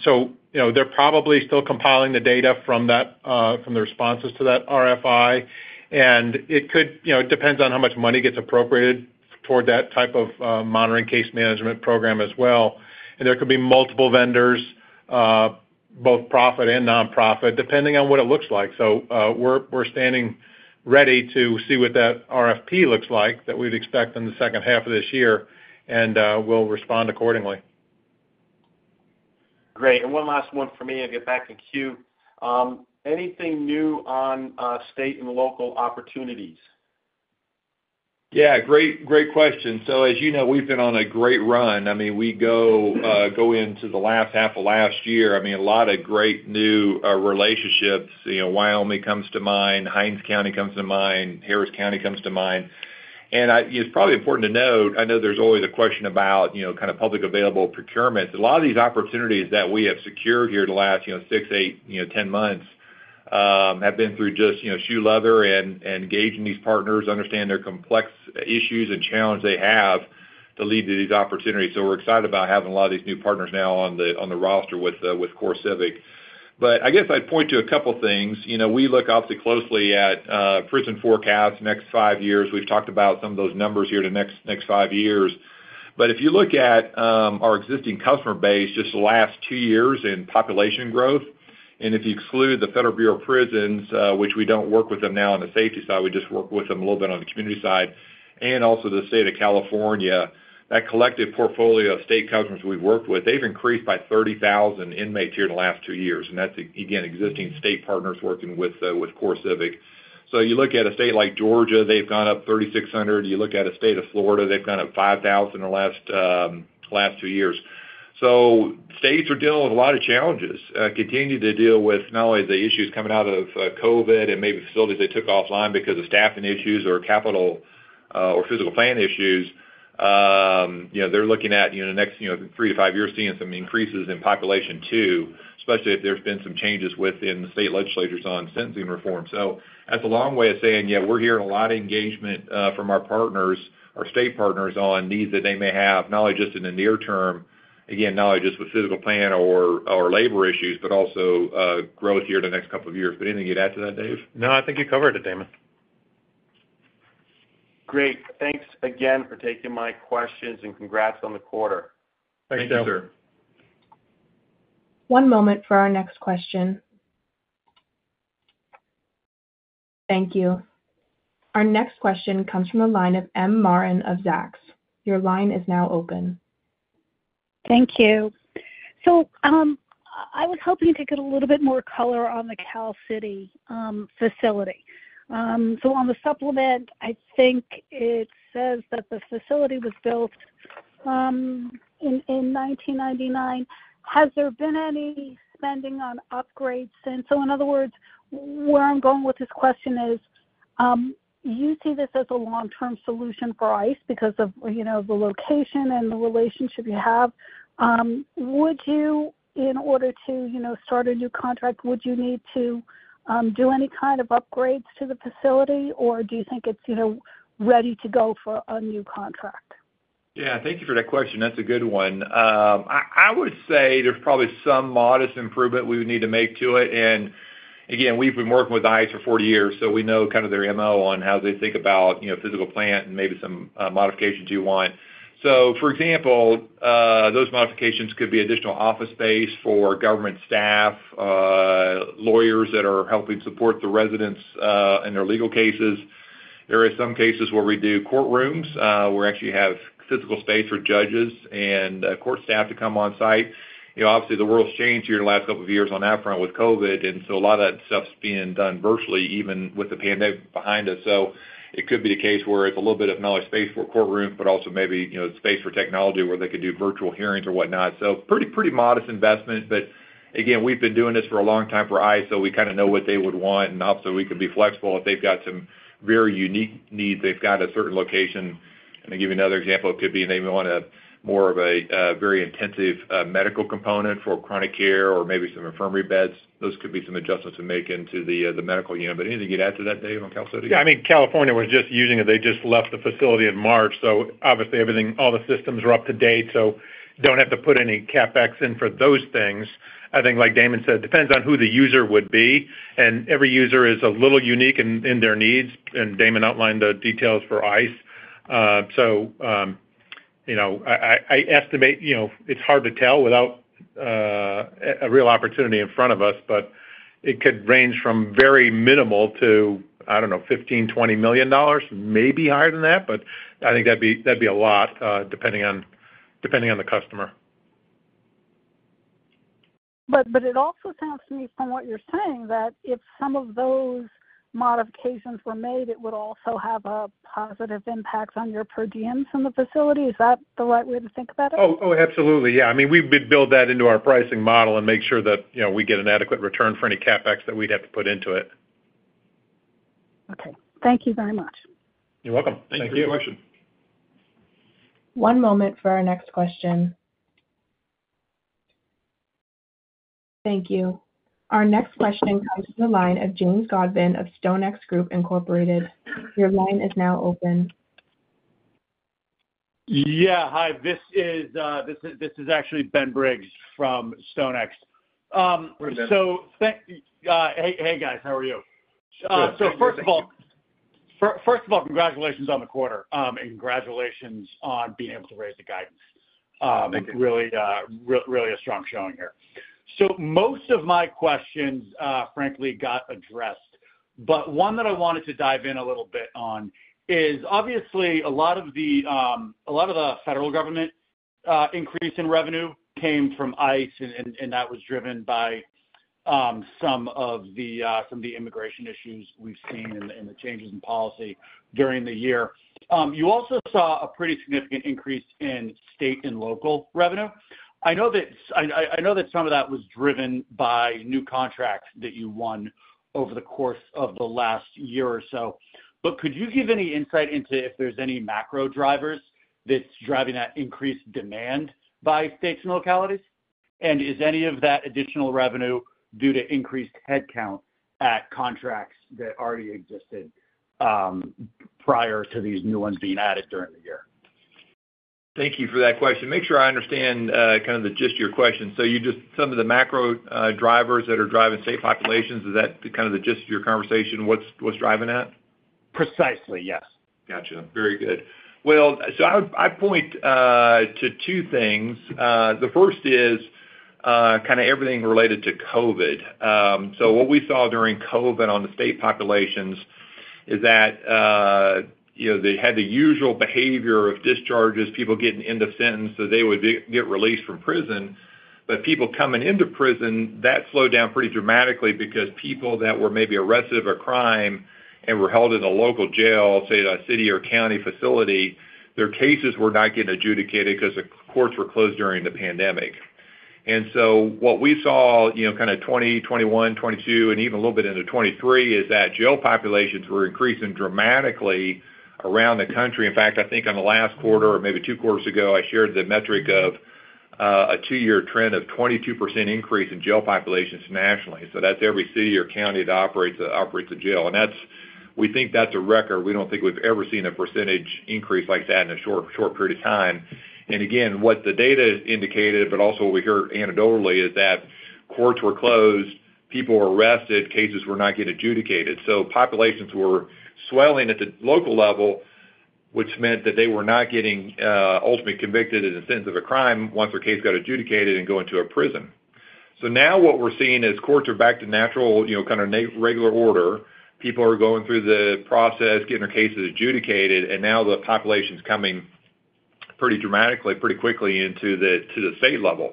[SPEAKER 4] So they're probably still compiling the data from the responses to that RFI. And it depends on how much money gets appropriated toward that type of monitoring case management program as well. And there could be multiple vendors, both profit and nonprofit, depending on what it looks like. So we're standing ready to see what that RFP looks like that we'd expect in the second half of this year. And we'll respond accordingly.
[SPEAKER 5] Great. And one last one for me and get back in queue. Anything new on state and local opportunities?
[SPEAKER 3] Yeah. Great question. So as you know, we've been on a great run. I mean, we go into the last half of last year. I mean, a lot of great new relationships. Wyoming comes to mind. Hinds County comes to mind. Harris County comes to mind. And it's probably important to note, I know there's always a question about kind of public available procurements. A lot of these opportunities that we have secured here in the last six, eight, 10 months have been through just shoe leather and engaging these partners, understanding their complex issues and challenges they have to lead to these opportunities. So we're excited about having a lot of these new partners now on the roster with CoreCivic. But I guess I'd point to a couple of things. We look, obviously, closely at prison forecasts next five years. We've talked about some of those numbers here the next five years. But if you look at our existing customer base, just the last two years in population growth, and if you exclude the Federal Bureau of Prisons, which we don't work with them now on the safety side, we just work with them a little bit on the community side, and also the State of California, that collective portfolio of state customers we've worked with, they've increased by 30,000 inmates here in the last two years. And that's, again, existing state partners working with CoreCivic. So you look at a state like Georgia, they've gone up 3,600. You look at a state of Florida, they've gone up 5,000 in the last two years. So states are dealing with a lot of challenges, continue to deal with not only the issues coming out of COVID and maybe facilities they took offline because of staffing issues or capital or physical plant issues. They're looking at, in the next three to five years, seeing some increases in population too, especially if there's been some changes within the state legislatures on sentencing reform. So that's a long way of saying, yeah, we're hearing a lot of engagement from our partners, our state partners, on needs that they may have, not only just in the near term, again, not only just with physical plant or labor issues, but also growth here in the next couple of years. But anything to add to that, Dave?
[SPEAKER 4] No. I think you covered it, Damon.
[SPEAKER 5] Great. Thanks again for taking my questions. Congrats on the quarter.
[SPEAKER 4] Thanks, Joe.
[SPEAKER 3] Thank you, sir.
[SPEAKER 1] One moment for our next question. Thank you. Our next question comes from the line of M. Marin of Zacks. Your line is now open.
[SPEAKER 6] Thank you. So I was hoping to get a little bit more color on the Cal City facility. So on the supplement, I think it says that the facility was built in 1999. Has there been any spending on upgrades since? So in other words, where I'm going with this question is, you see this as a long-term solution for ICE because of the location and the relationship you have. In order to start a new contract, would you need to do any kind of upgrades to the facility? Or do you think it's ready to go for a new contract?
[SPEAKER 3] Yeah. Thank you for that question. That's a good one. I would say there's probably some modest improvement we would need to make to it. And again, we've been working with ICE for 40 years. So we know kind of their MO on how they think about physical plant and maybe some modifications you want. So for example, those modifications could be additional office space for government staff, lawyers that are helping support the residents in their legal cases. There are some cases where we do courtrooms where we actually have physical space for judges and court staff to come on site. Obviously, the world's changed here in the last couple of years on that front with COVID. And so a lot of that stuff's being done virtually, even with the pandemic behind us. So it could be the case where it's a little bit of not only space for courtrooms, but also maybe space for technology where they could do virtual hearings or whatnot. So pretty modest investment. But again, we've been doing this for a long time for ICE. So we kind of know what they would want. And obviously, we can be flexible. If they've got some very unique needs, they've got a certain location. And to give you another example, it could be they may want more of a very intensive medical component for chronic care or maybe some infirmary beds. Those could be some adjustments to make into the medical unit. But anything to add to that, Dave, on Cal City?
[SPEAKER 4] Yeah. I mean, California was just using it. They just left the facility in March. So obviously, all the systems are up to date. So don't have to put any CapEx in for those things. I think, like Damon said, it depends on who the user would be. And every user is a little unique in their needs. And Damon outlined the details for ICE. So I estimate it's hard to tell without a real opportunity in front of us. But it could range from very minimal to, I don't know, $15 million-$20 million, maybe higher than that. But I think that'd be a lot depending on the customer.
[SPEAKER 6] But it also sounds to me, from what you're saying, that if some of those modifications were made, it would also have a positive impact on your per diems in the facility. Is that the right way to think about it?
[SPEAKER 4] Oh, absolutely. Yeah. I mean, we've built that into our pricing model and make sure that we get an adequate return for any CapEx that we'd have to put into it.
[SPEAKER 6] Okay. Thank you very much.
[SPEAKER 4] You're welcome. Thank you.
[SPEAKER 3] Thank you for the question.
[SPEAKER 1] One moment for our next question. Thank you. Our next question comes from the line of James Godwin of StoneX Group Incorporated. Your line is now open.
[SPEAKER 7] Yeah. Hi. This is actually Ben Briggs from StoneX.
[SPEAKER 3] Hey, Ben.
[SPEAKER 7] Hey, guys. How are you?
[SPEAKER 3] Good. Thank you.
[SPEAKER 7] So first of all, first of all, congratulations on the quarter. And congratulations on being able to raise the guidance. Really a strong showing here. So most of my questions, frankly, got addressed. But one that I wanted to dive in a little bit on is, obviously, a lot of the a lot of the federal government increase in revenue came from ICE. And that was driven by some of the immigration issues we've seen and the changes in policy during the year. You also saw a pretty significant increase in state and local revenue. I know that some of that was driven by new contracts that you won over the course of the last year or so. But could you give any insight into if there's any macro drivers that's driving that increased demand by states and localities? Is any of that additional revenue due to increased headcount at contracts that already existed prior to these new ones being added during the year?
[SPEAKER 3] Thank you for that question. Make sure I understand kind of the gist of your question. So some of the macro drivers that are driving state populations, is that kind of the gist of your conversation? What's driving that?
[SPEAKER 7] Precisely. Yes.
[SPEAKER 3] Gotcha. Very good. Well, so I'd point to two things. The first is kind of everything related to COVID. So what we saw during COVID on the state populations is that they had the usual behavior of discharges, people getting into sentence so they would get released from prison. But people coming into prison, that slowed down pretty dramatically because people that were maybe arrested for crime and were held in a local jail, say, a city or county facility, their cases were not getting adjudicated because the courts were closed during the pandemic. And so what we saw kind of 2021, 2022, and even a little bit into 2023 is that jail populations were increasing dramatically around the country. In fact, I think on the last quarter or maybe two quarters ago, I shared the metric of a two-year trend of 22% increase in jail populations nationally. That's every city or county that operates a jail. We think that's a record. We don't think we've ever seen a percentage increase like that in a short period of time. Again, what the data indicated, but also what we heard anecdotally, is that courts were closed, people were arrested, cases were not getting adjudicated. Populations were swelling at the local level, which meant that they were not getting ultimately convicted in the sense of a crime once their case got adjudicated and go into a prison. Now what we're seeing is courts are back to natural kind of regular order. People are going through the process, getting their cases adjudicated. Now the population's coming pretty dramatically, pretty quickly into the state level.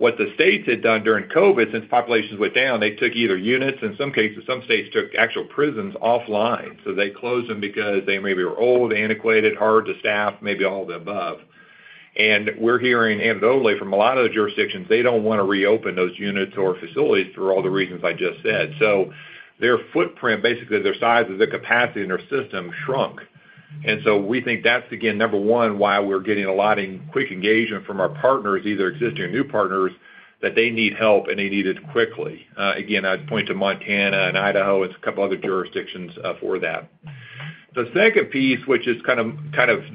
[SPEAKER 3] What the states had done during COVID, since populations went down, they took either units. In some cases, some states took actual prisons offline. They closed them because they maybe were old, antiquated, hard to staff, maybe all of the above. We're hearing anecdotally from a lot of the jurisdictions; they don't want to reopen those units or facilities for all the reasons I just said. Their footprint, basically, their size of their capacity in their system shrunk. We think that's, again, number one, why we're getting a lot of quick engagement from our partners, either existing or new partners, that they need help and they need it quickly. Again, I'd point to Montana and Idaho and a couple of other jurisdictions for that. The second piece, which is kind of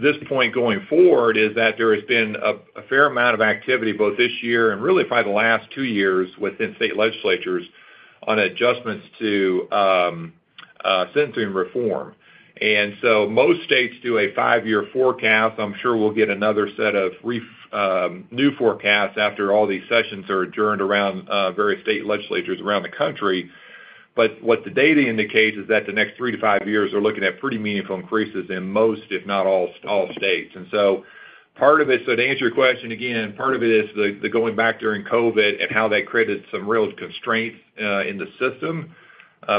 [SPEAKER 3] this point going forward, is that there has been a fair amount of activity both this year and really probably the last two years within state legislatures on adjustments to sentencing reform. And so most states do a five-year forecast. I'm sure we'll get another set of new forecasts after all these sessions are adjourned around various state legislatures around the country. But what the data indicates is that the next three to five years, they're looking at pretty meaningful increases in most, if not all, states. And so part of it so to answer your question, again, part of it is the going back during COVID and how that created some real constraints in the system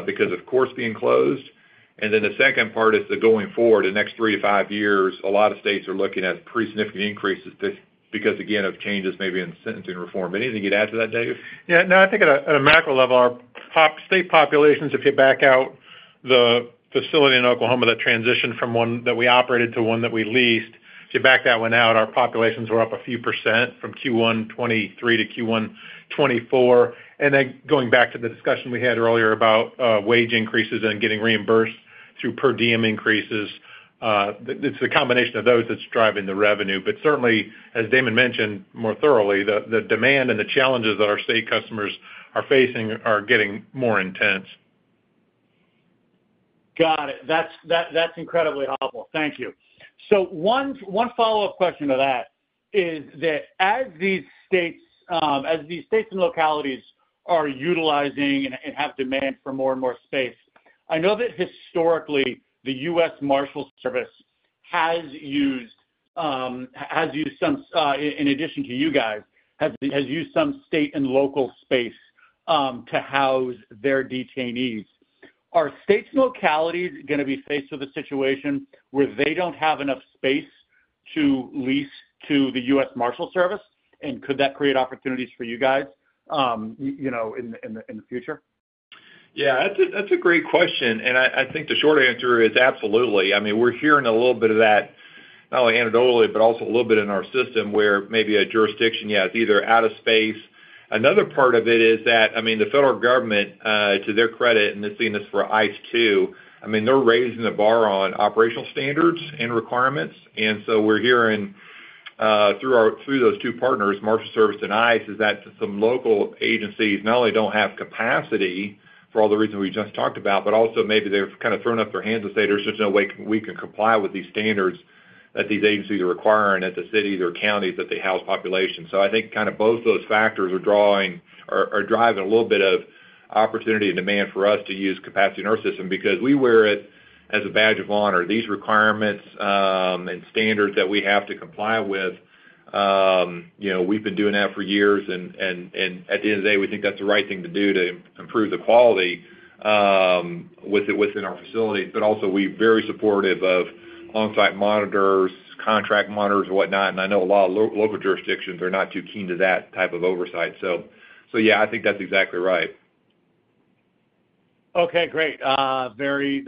[SPEAKER 3] because, of course, being closed. And then the second part is that going forward, the next three to five years, a lot of states are looking at pretty significant increases because, again, of changes maybe in sentencing reform. But anything to add to that, Dave?
[SPEAKER 4] Yeah. No. I think at a macro level, our state populations, if you back out the facility in Oklahoma that transitioned from one that we operated to one that we leased, if you back that one out, our populations were up a few percent from Q1 2023 to Q1 2024. And then going back to the discussion we had earlier about wage increases and getting reimbursed through per diem increases, it's the combination of those that's driving the revenue. But certainly, as Damon mentioned more thoroughly, the demand and the challenges that our state customers are facing are getting more intense.
[SPEAKER 7] Got it. That's incredibly helpful. Thank you. So one follow-up question to that is that as these states as these states and localities are utilizing and have demand for more and more space, I know that historically, the U.S. Marshals Service has used some in addition to you guys, has used some state and local space to house their detainees. Are states and localities going to be faced with a situation where they don't have enough space to lease to the U.S. Marshals Service? And could that create opportunities for you guys in the future?
[SPEAKER 3] Yeah. That's a great question. I think the short answer is absolutely. I mean, we're hearing a little bit of that, not only anecdotally, but also a little bit in our system where maybe a jurisdiction, yeah, is either out of space. Another part of it is that, I mean, the federal government, to their credit, and they're seeing this for ICE too, I mean, they're raising the bar on operational standards and requirements. And so we're hearing through those two partners, Marshals Service and ICE, that some local agencies not only don't have capacity for all the reasons we just talked about, but also maybe they've kind of thrown up their hands and say, "There's just no way we can comply with these standards that these agencies are requiring at the cities or counties that they house populations." So I think kind of both those factors are driving a little bit of opportunity and demand for us to use capacity in our system because we wear it as a badge of honor. These requirements and standards that we have to comply with, we've been doing that for years. And at the end of the day, we think that's the right thing to do to improve the quality within our facilities. But also, we're very supportive of on-site monitors, contract monitors, and whatnot. I know a lot of local jurisdictions are not too keen to that type of oversight. Yeah, I think that's exactly right.
[SPEAKER 7] Okay. Great. That's very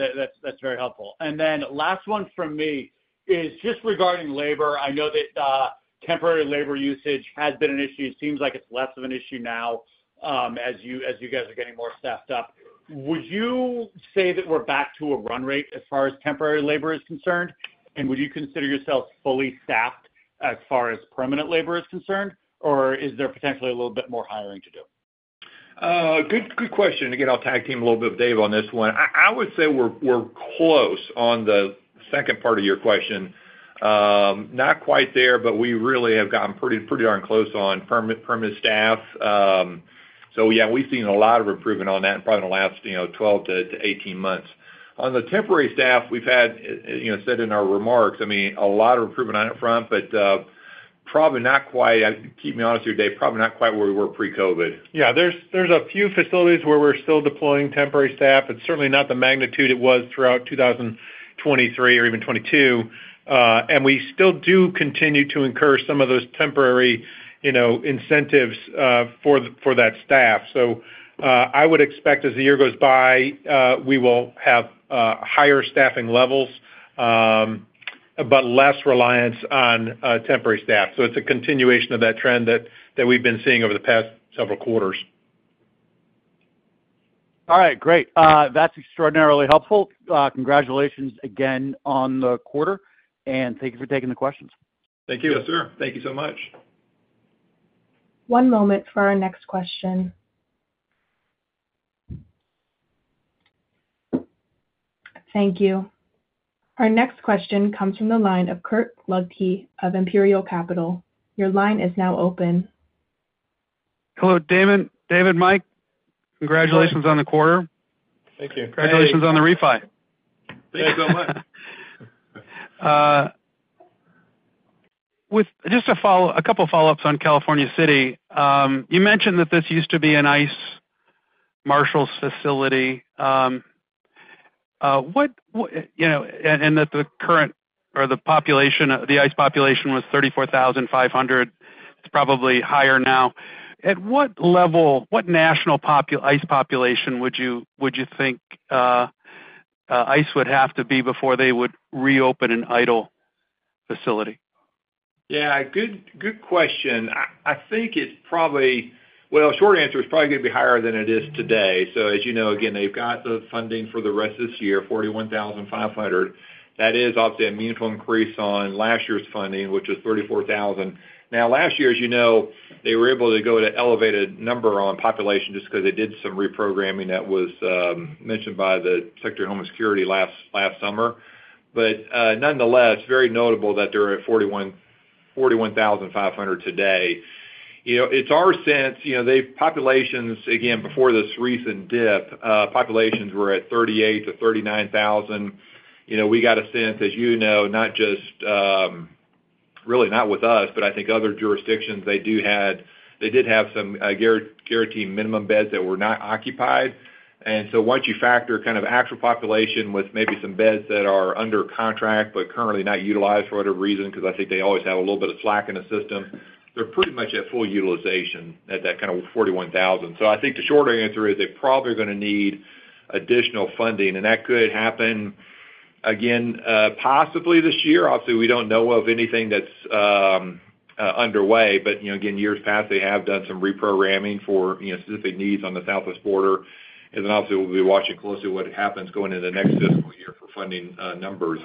[SPEAKER 7] helpful. And then last one from me is just regarding labor. I know that temporary labor usage has been an issue. It seems like it's less of an issue now as you guys are getting more staffed up. Would you say that we're back to a run rate as far as temporary labor is concerned? And would you consider yourselves fully staffed as far as permanent labor is concerned? Or is there potentially a little bit more hiring to do?
[SPEAKER 3] Good question. Again, I'll tag team a little bit with Dave on this one. I would say we're close on the second part of your question. Not quite there, but we really have gotten pretty darn close on permanent staff. So yeah, we've seen a lot of improvement on that in probably the last 12-18 months. On the temporary staff, we've had, as I said in our remarks, I mean, a lot of improvement on that front. But probably not quite - keep me honest here, Dave - probably not quite where we were pre-COVID.
[SPEAKER 4] Yeah. There's a few facilities where we're still deploying temporary staff. It's certainly not the magnitude it was throughout 2023 or even 2022. And we still do continue to incur some of those temporary incentives for that staff. So I would expect, as the year goes by, we will have higher staffing levels but less reliance on temporary staff. So it's a continuation of that trend that we've been seeing over the past several quarters.
[SPEAKER 7] All right. Great. That's extraordinarily helpful. Congratulations again on the quarter. Thank you for taking the questions.
[SPEAKER 4] Thank you.
[SPEAKER 3] Yes, sir. Thank you so much.
[SPEAKER 1] One moment for our next question. Thank you. Our next question comes from the line of Kirk Ludtke of Imperial Capital. Your line is now open.
[SPEAKER 8] Hello, Damon. David, Mike, congratulations on the quarter.
[SPEAKER 3] Thank you.
[SPEAKER 8] Congratulations on the refi.
[SPEAKER 3] Thank you so much.
[SPEAKER 8] Just a couple of follow-ups on California City. You mentioned that this used to be an ICE Marshals facility and that the current or the ICE population was 34,500. It's probably higher now. At what national ICE population would you think ICE would have to be before they would reopen an idle facility?
[SPEAKER 3] Yeah. Good question. I think it's probably, well, the short answer is probably going to be higher than it is today. So as you know, again, they've got the funding for the rest of this year, 41,500. That is, obviously, a meaningful increase on last year's funding, which was 34,000. Now, last year, as you know, they were able to go to an elevated number on population just because they did some reprogramming that was mentioned by the Secretary of Homeland Security last summer. But nonetheless, very notable that they're at 41,500 today. It's our sense populations again, before this recent dip, populations were at 38,000-39,000. We got a sense, as you know, not just really not with us, but I think other jurisdictions, they did have some guaranteed minimum beds that were not occupied. And so once you factor kind of actual population with maybe some beds that are under contract but currently not utilized for whatever reason because I think they always have a little bit of slack in the system, they're pretty much at full utilization at that kind of 41,000. So I think the shorter answer is they're probably going to need additional funding. And that could happen, again, possibly this year. Obviously, we don't know of anything that's underway. But again, years past, they have done some reprogramming for specific needs on the Southwest border. And then obviously, we'll be watching closely what happens going into the next fiscal year for funding numbers.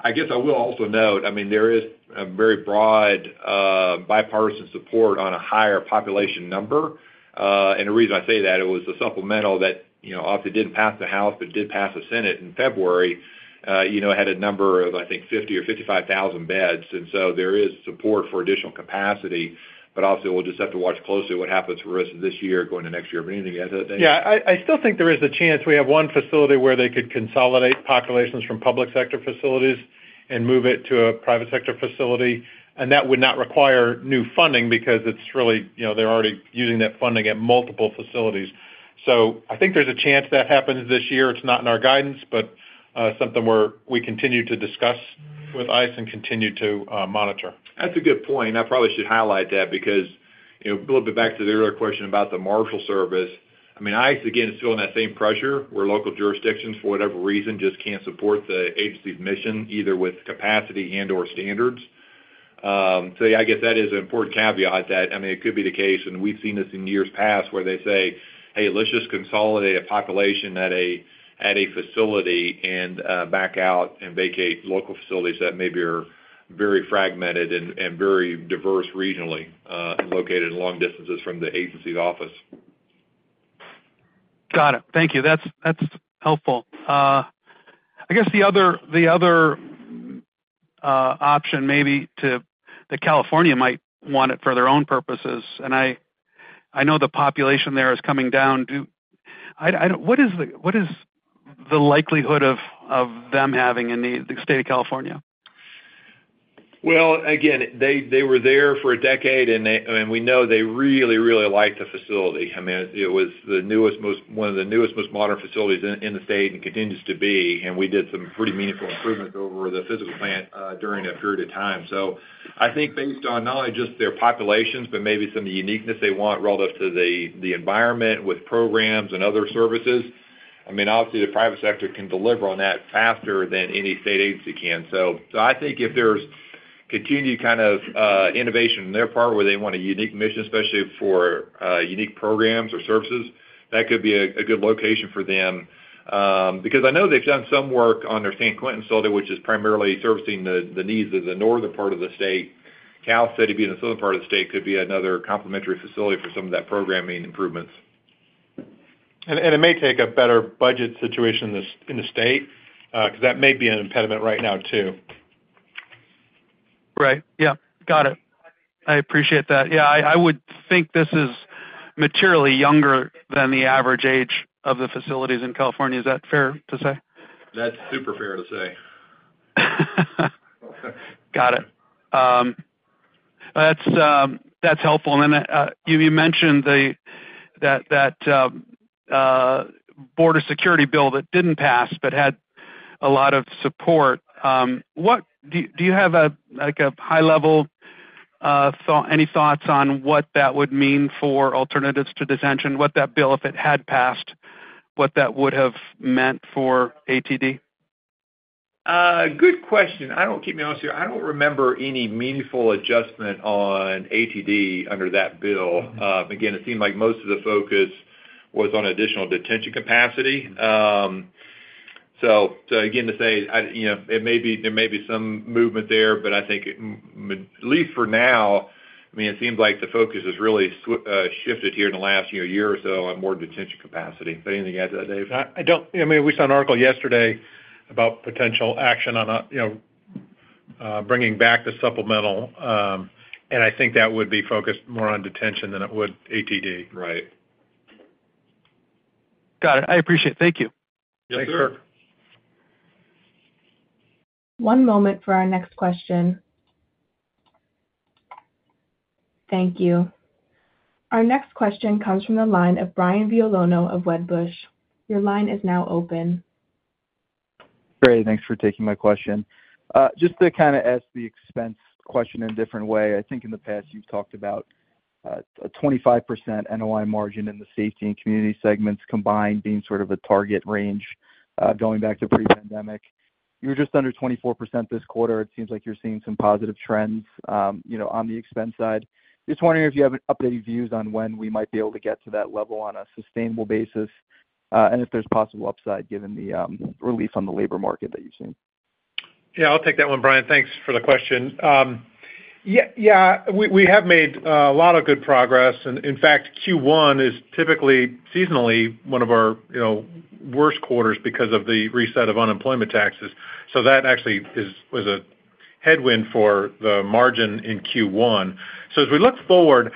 [SPEAKER 3] I guess I will also note, I mean, there is a very broad bipartisan support on a higher population number. And the reason I say that, it was the supplemental that obviously didn't pass the House but did pass the Senate in February, had a number of, I think, 50,000 or 55,000 beds. And so there is support for additional capacity. But obviously, we'll just have to watch closely what happens for the rest of this year going into next year. But anything to add to that, Dave?
[SPEAKER 4] Yeah. I still think there is a chance. We have one facility where they could consolidate populations from public sector facilities and move it to a private sector facility. And that would not require new funding because it's really they're already using that funding at multiple facilities. So I think there's a chance that happens this year. It's not in our guidance, but something where we continue to discuss with ICE and continue to monitor.
[SPEAKER 3] That's a good point. And I probably should highlight that because a little bit back to the earlier question about the Marshals Service, I mean, ICE, again, is still in that same pressure where local jurisdictions, for whatever reason, just can't support the agency's mission either with capacity and/or standards. So yeah, I guess that is an important caveat that, I mean, it could be the case. And we've seen this in years past where they say, "Hey, let's just consolidate a population at a facility and back out and vacate local facilities that maybe are very fragmented and very diverse regionally and located long distances from the agency's office.
[SPEAKER 8] Got it. Thank you. That's helpful. I guess the other option maybe to that California might want it for their own purposes. And I know the population there is coming down. What is the likelihood of them having a need in the State of California?
[SPEAKER 3] Well, again, they were there for a decade. And we know they really, really liked the facility. I mean, it was one of the newest, most modern facilities in the state and continues to be. And we did some pretty meaningful improvements over the physical plant during a period of time. So I think based on not only just their populations but maybe some of the uniqueness they want relative to the environment with programs and other services, I mean, obviously, the private sector can deliver on that faster than any state agency can. So I think if there's continued kind of innovation on their part where they want a unique mission, especially for unique programs or services, that could be a good location for them. Because I know they've done some work on their San Quentin facility, which is primarily servicing the needs of the northern part of the state. Cal City, being the southern part of the state, could be another complementary facility for some of that programming improvements.
[SPEAKER 4] It may take a better budget situation in the state because that may be an impediment right now too.
[SPEAKER 8] Right. Yeah. Got it. I appreciate that. Yeah. I would think this is materially younger than the average age of the facilities in California. Is that fair to say?
[SPEAKER 3] That's super fair to say.
[SPEAKER 8] Got it. That's helpful. And then you mentioned that border security bill that didn't pass but had a lot of support. Do you have high-level any thoughts on what that would mean for alternatives to detention? What that bill, if it had passed, what that would have meant for ATD?
[SPEAKER 3] Good question. Keep me honest here. I don't remember any meaningful adjustment on ATD under that bill. Again, it seemed like most of the focus was on additional detention capacity. So again, to say, there may be some movement there. But I think, at least for now, I mean, it seems like the focus has really shifted here in the last year or so on more detention capacity. But anything to add to that, Dave?
[SPEAKER 4] I mean, we saw an article yesterday about potential action on bringing back the supplemental. I think that would be focused more on detention than it would ATD.
[SPEAKER 3] Right.
[SPEAKER 8] Got it. I appreciate it. Thank you.
[SPEAKER 3] Yes, sir.
[SPEAKER 1] One moment for our next question. Thank you. Our next question comes from the line of Brian Violino of Wedbush. Your line is now open.
[SPEAKER 9] Great. Thanks for taking my question. Just to kind of ask the expense question in a different way, I think in the past, you've talked about a 25% NOI margin in the safety and community segments combined being sort of a target range going back to pre-pandemic. You were just under 24% this quarter. It seems like you're seeing some positive trends on the expense side. Just wondering if you have updated views on when we might be able to get to that level on a sustainable basis and if there's possible upside given the relief on the labor market that you've seen.
[SPEAKER 4] Yeah. I'll take that one, Brian. Thanks for the question. Yeah. We have made a lot of good progress. In fact, Q1 is typically, seasonally, one of our worst quarters because of the reset of unemployment taxes. That actually was a headwind for the margin in Q1. As we look forward,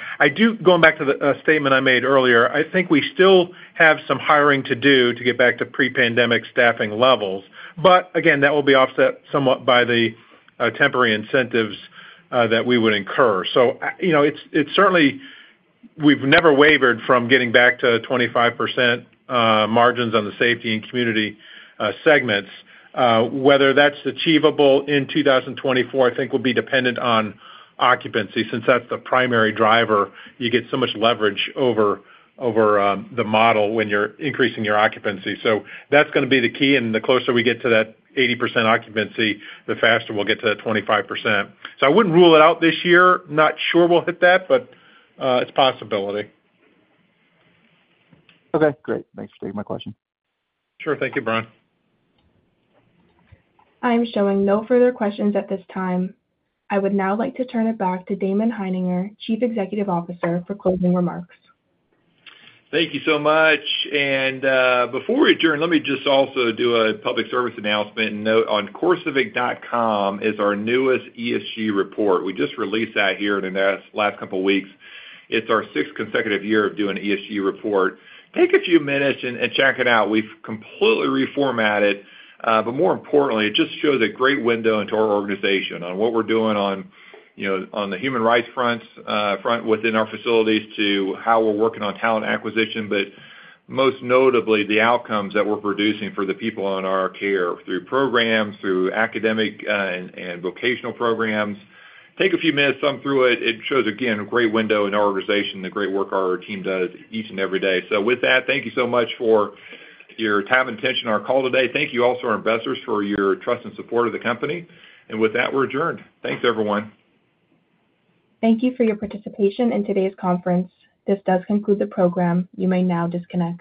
[SPEAKER 4] going back to the statement I made earlier, I think we still have some hiring to do to get back to pre-pandemic staffing levels. But again, that will be offset somewhat by the temporary incentives that we would incur. Certainly, we've never wavered from getting back to 25% margins on the safety and community segments. Whether that's achievable in 2024, I think, will be dependent on occupancy since that's the primary driver. You get so much leverage over the model when you're increasing your occupancy. That's going to be the key. The closer we get to that 80% occupancy, the faster we'll get to that 25%. I wouldn't rule it out this year. Not sure we'll hit that, but it's a possibility.
[SPEAKER 9] Okay. Great. Thanks for taking my question.
[SPEAKER 4] Sure. Thank you, Brian.
[SPEAKER 1] I am showing no further questions at this time. I would now like to turn it back to Damon Hininger, Chief Executive Officer, for closing remarks.
[SPEAKER 3] Thank you so much. Before we adjourn, let me just also do a public service announcement and note. On corecivic.com is our newest ESG report. We just released that here in the last couple of weeks. It's our sixth consecutive year of doing an ESG report. Take a few minutes and check it out. We've completely reformatted it. But more importantly, it just shows a great window into our organization on what we're doing on the human rights front within our facilities to how we're working on talent acquisition. But most notably, the outcomes that we're producing for the people in our care through programs, through academic and vocational programs. Take a few minutes, skim through it. It shows, again, a great window into our organization, the great work our team does each and every day. So with that, thank you so much for your time and attention to our call today. Thank you also, our investors, for your trust and support of the company. And with that, we're adjourned. Thanks, everyone.
[SPEAKER 1] Thank you for your participation in today's conference. This does conclude the program. You may now disconnect.